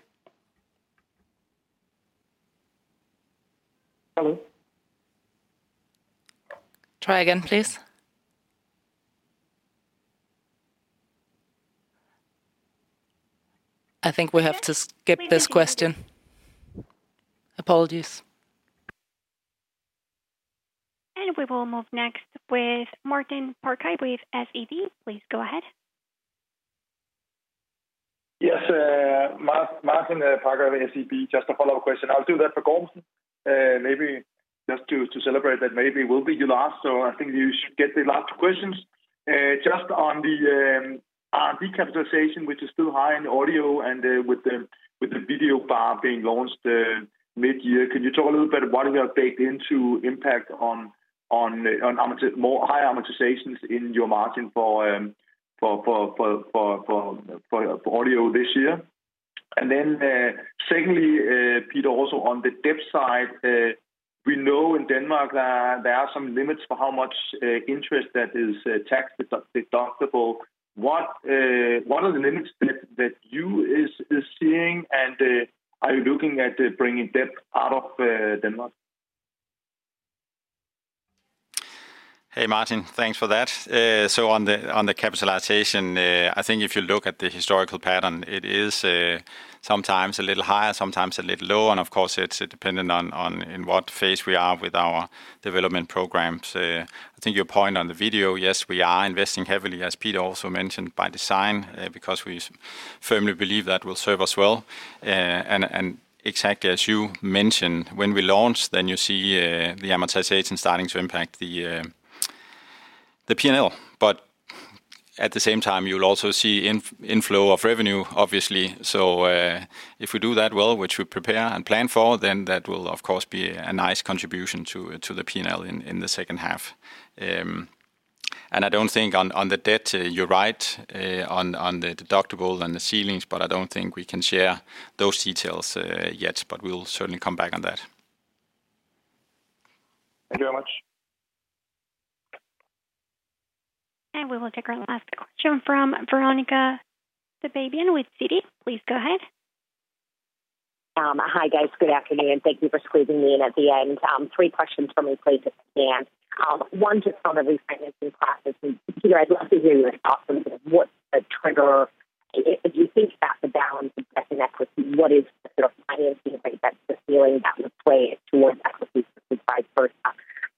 Hello? Try again, please. I think we'll have to skip this question. Apologies. We will move next with Martin Parkhøi with SEB. Please go ahead. Yes, Martin Parkhøi, SEB. Just a follow-up question. I'll do that for Gormsen. Maybe just to celebrate that maybe we'll be the last, so I think you should get the last questions. Just on the capitalization, which is still high in audio and with the video bar being launched mid-year, could you talk a little bit what is your take into impact on more high amortizations in your margin for audio this year? Secondly, Peter, also on the debt side, we know in Denmark there are some limits for how much interest that is tax deductible. What are the limits that you are seeing and are you looking at bringing debt out of Denmark? Hey, Martin. Thanks for that. On the capitalization, I think if you look at the historical pattern, it is sometimes a little higher, sometimes a little lower. Of course it's dependent on in what phase we are with our development programs. I think your point on the video, yes, we are investing heavily, as Peter also mentioned, by design, because we firmly believe that will serve us well. Exactly as you mentioned, when we launch, then you see the amortization starting to impact the P&L. At the same time, you'll also see inflow of revenue, obviously. If we do that well, which we prepare and plan for, then that will of course be a nice contribution to the P&L in the 2nd half. And I don't think on the debt, you're right, on the deductible and the ceilings, but I don't think we can share those details yet, but we'll certainly come back on that. Thank you very much. We will take our last question from Veronika Dubajova with Citi. Please go ahead. Hi, guys. Good afternoon. Thank you for squeezing me in at the end. Three questions from me, please, if you can. One just on the refinancing process. Peter, I'd love to hear your thoughts on sort of what's the trigger. If you think about the balance of debt and equity, what is the sort of financing rate that's the ceiling that would play towards equity versus vice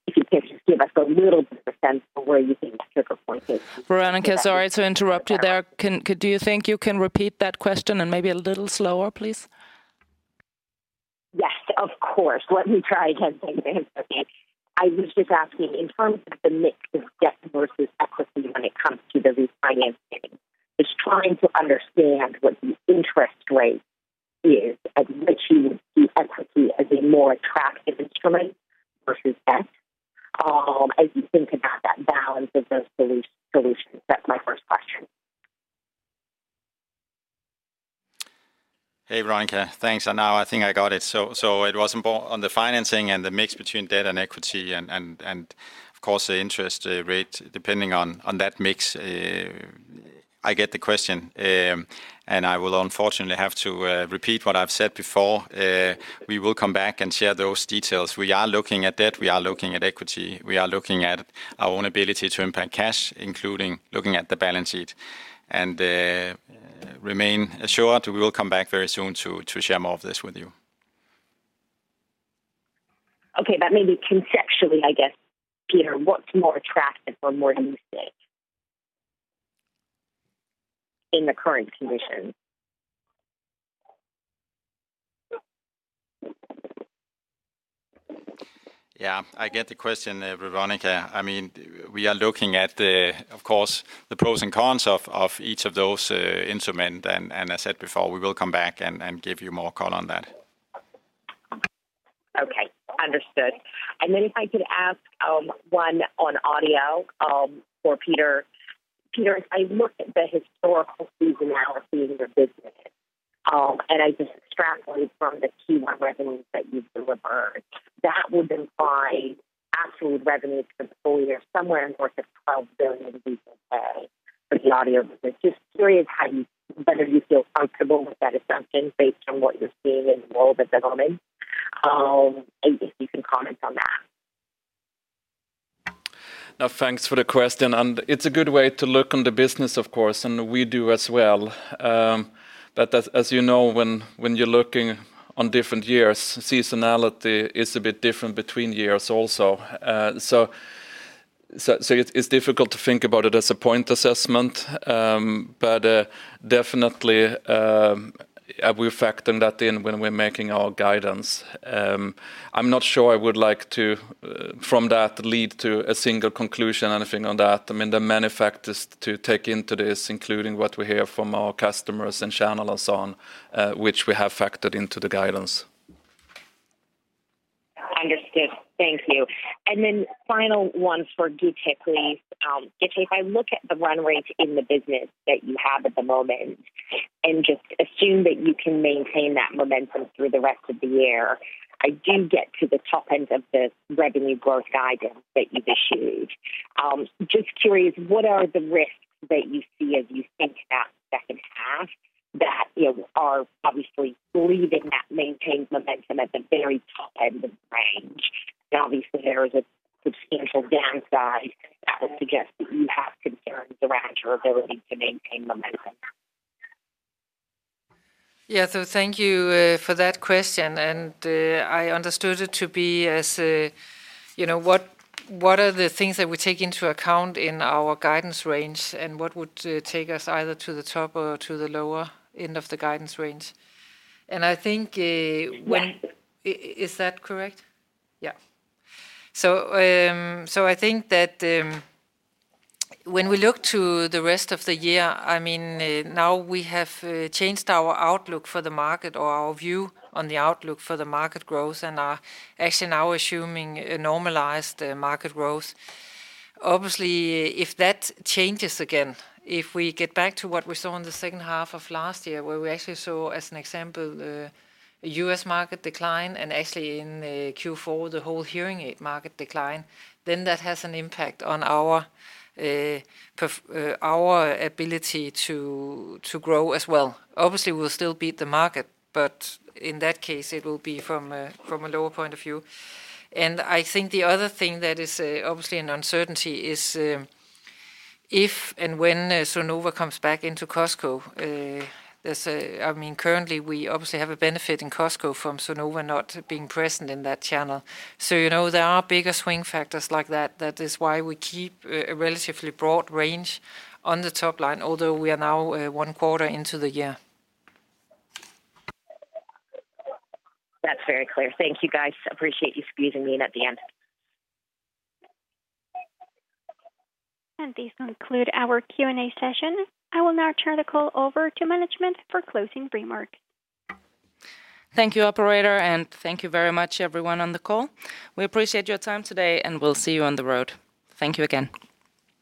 versa? If you can just give us a little bit of a sense for where you think that trigger point is. Veronika, sorry to interrupt you there. Do you think you can repeat that question and maybe a little slower, please? Of course. Let me try again. Thank you. I was just asking, in terms of the mix of debt versus equity when it comes to the refinancing, just trying to understand what the interest rate is at which you would see equity as a more attractive instrument versus debt. As you think about that balance of those solutions. That's my first question? Hey, Veronica. Thanks. Now I think I got it. It was on the financing and the mix between debt and equity and of course the interest rate depending on that mix. I get the question, I will unfortunately have to repeat what I've said before. We will come back and share those details. We are looking at debt. We are looking at equity. We are looking at our own ability to impact cash, including looking at the balance sheet. Remain assured we will come back very soon to share more of this with you. Okay. Maybe conceptually, I guess, Peter, what's more attractive or more realistic in the current condition? Yeah, I get the question, Veronika. I mean, we are looking at the, of course, the pros and cons of each of those, instrument. I said before, we will come back and give you more color on that. Okay. Understood. If I could ask one on audio for Peter. Peter, I looked at the historical seasonality in your business. I just extrapolate from the Q1 revenues that you've delivered. That would imply absolute revenues for the full year somewhere north of $12 billion for the audio business. Just curious how you whether you feel comfortable with that assumption based on what you're seeing in the world at the moment. If you can comment on that. Now thanks for the question. It's a good way to look on the business, of course, and we do as well. As you know, when you're looking on different years, seasonality is a bit different between years also. It's difficult to think about it as a point assessment. Definitely, we factor that in when we're making our guidance. I'm not sure I would like to from that lead to a single conclusion or anything on that. I mean, there are many factors to take into this, including what we hear from our customers and channel and so on, which we have factored into the guidance. Understood. Thank you. Then final one for Gitte, please. Gitte, if I look at the run rate in the business that you have at the moment and just assume that you can maintain that momentum through the rest of the year, I do get to the top end of the revenue growth guidance that you've issued. Just curious, what are the risks that you see as you think about 2nd half that, you know, are obviously believing that maintains momentum at the very top end of range? Obviously, there is a substantial downside that would suggest that you have concerns around your ability to maintain momentum. Yeah. thank you for that question. I understood it to be as, you know, what are the things that we take into account in our guidance range, and what would take us either to the top or to the lower end of the guidance range. Yeah. Is that correct? Yeah. I think that when we look to the rest of the year, I mean, now we have changed our outlook for the market or our view on the outlook for the market growth and are actually now assuming a normalized market growth. Obviously, if that changes again, if we get back to what we saw in the 2nd half of last year where we actually saw, as an example, a U.S. market decline and actually in Q4 the whole hearing aid market decline, then that has an impact on our ability to grow as well. Obviously, we'll still beat the market, but in that case it will be from a, from a lower point of view. I think the other thing that is obviously an uncertainty is if and when Sonova comes back into Costco. I mean, currently we obviously have a benefit in Costco from Sonova not being present in that channel. You know, there are bigger swing factors like that. That is why we keep a relatively broad range on the top line although we are now one quarter into the year. That's very clear. Thank you, guys. Appreciate you squeezing me in at the end. This conclude our Q&A session. I will now turn the call over to management for closing remark. Thank you, operator, and thank you very much everyone on the call. We appreciate your time today, and we'll see you on the road. Thank you again.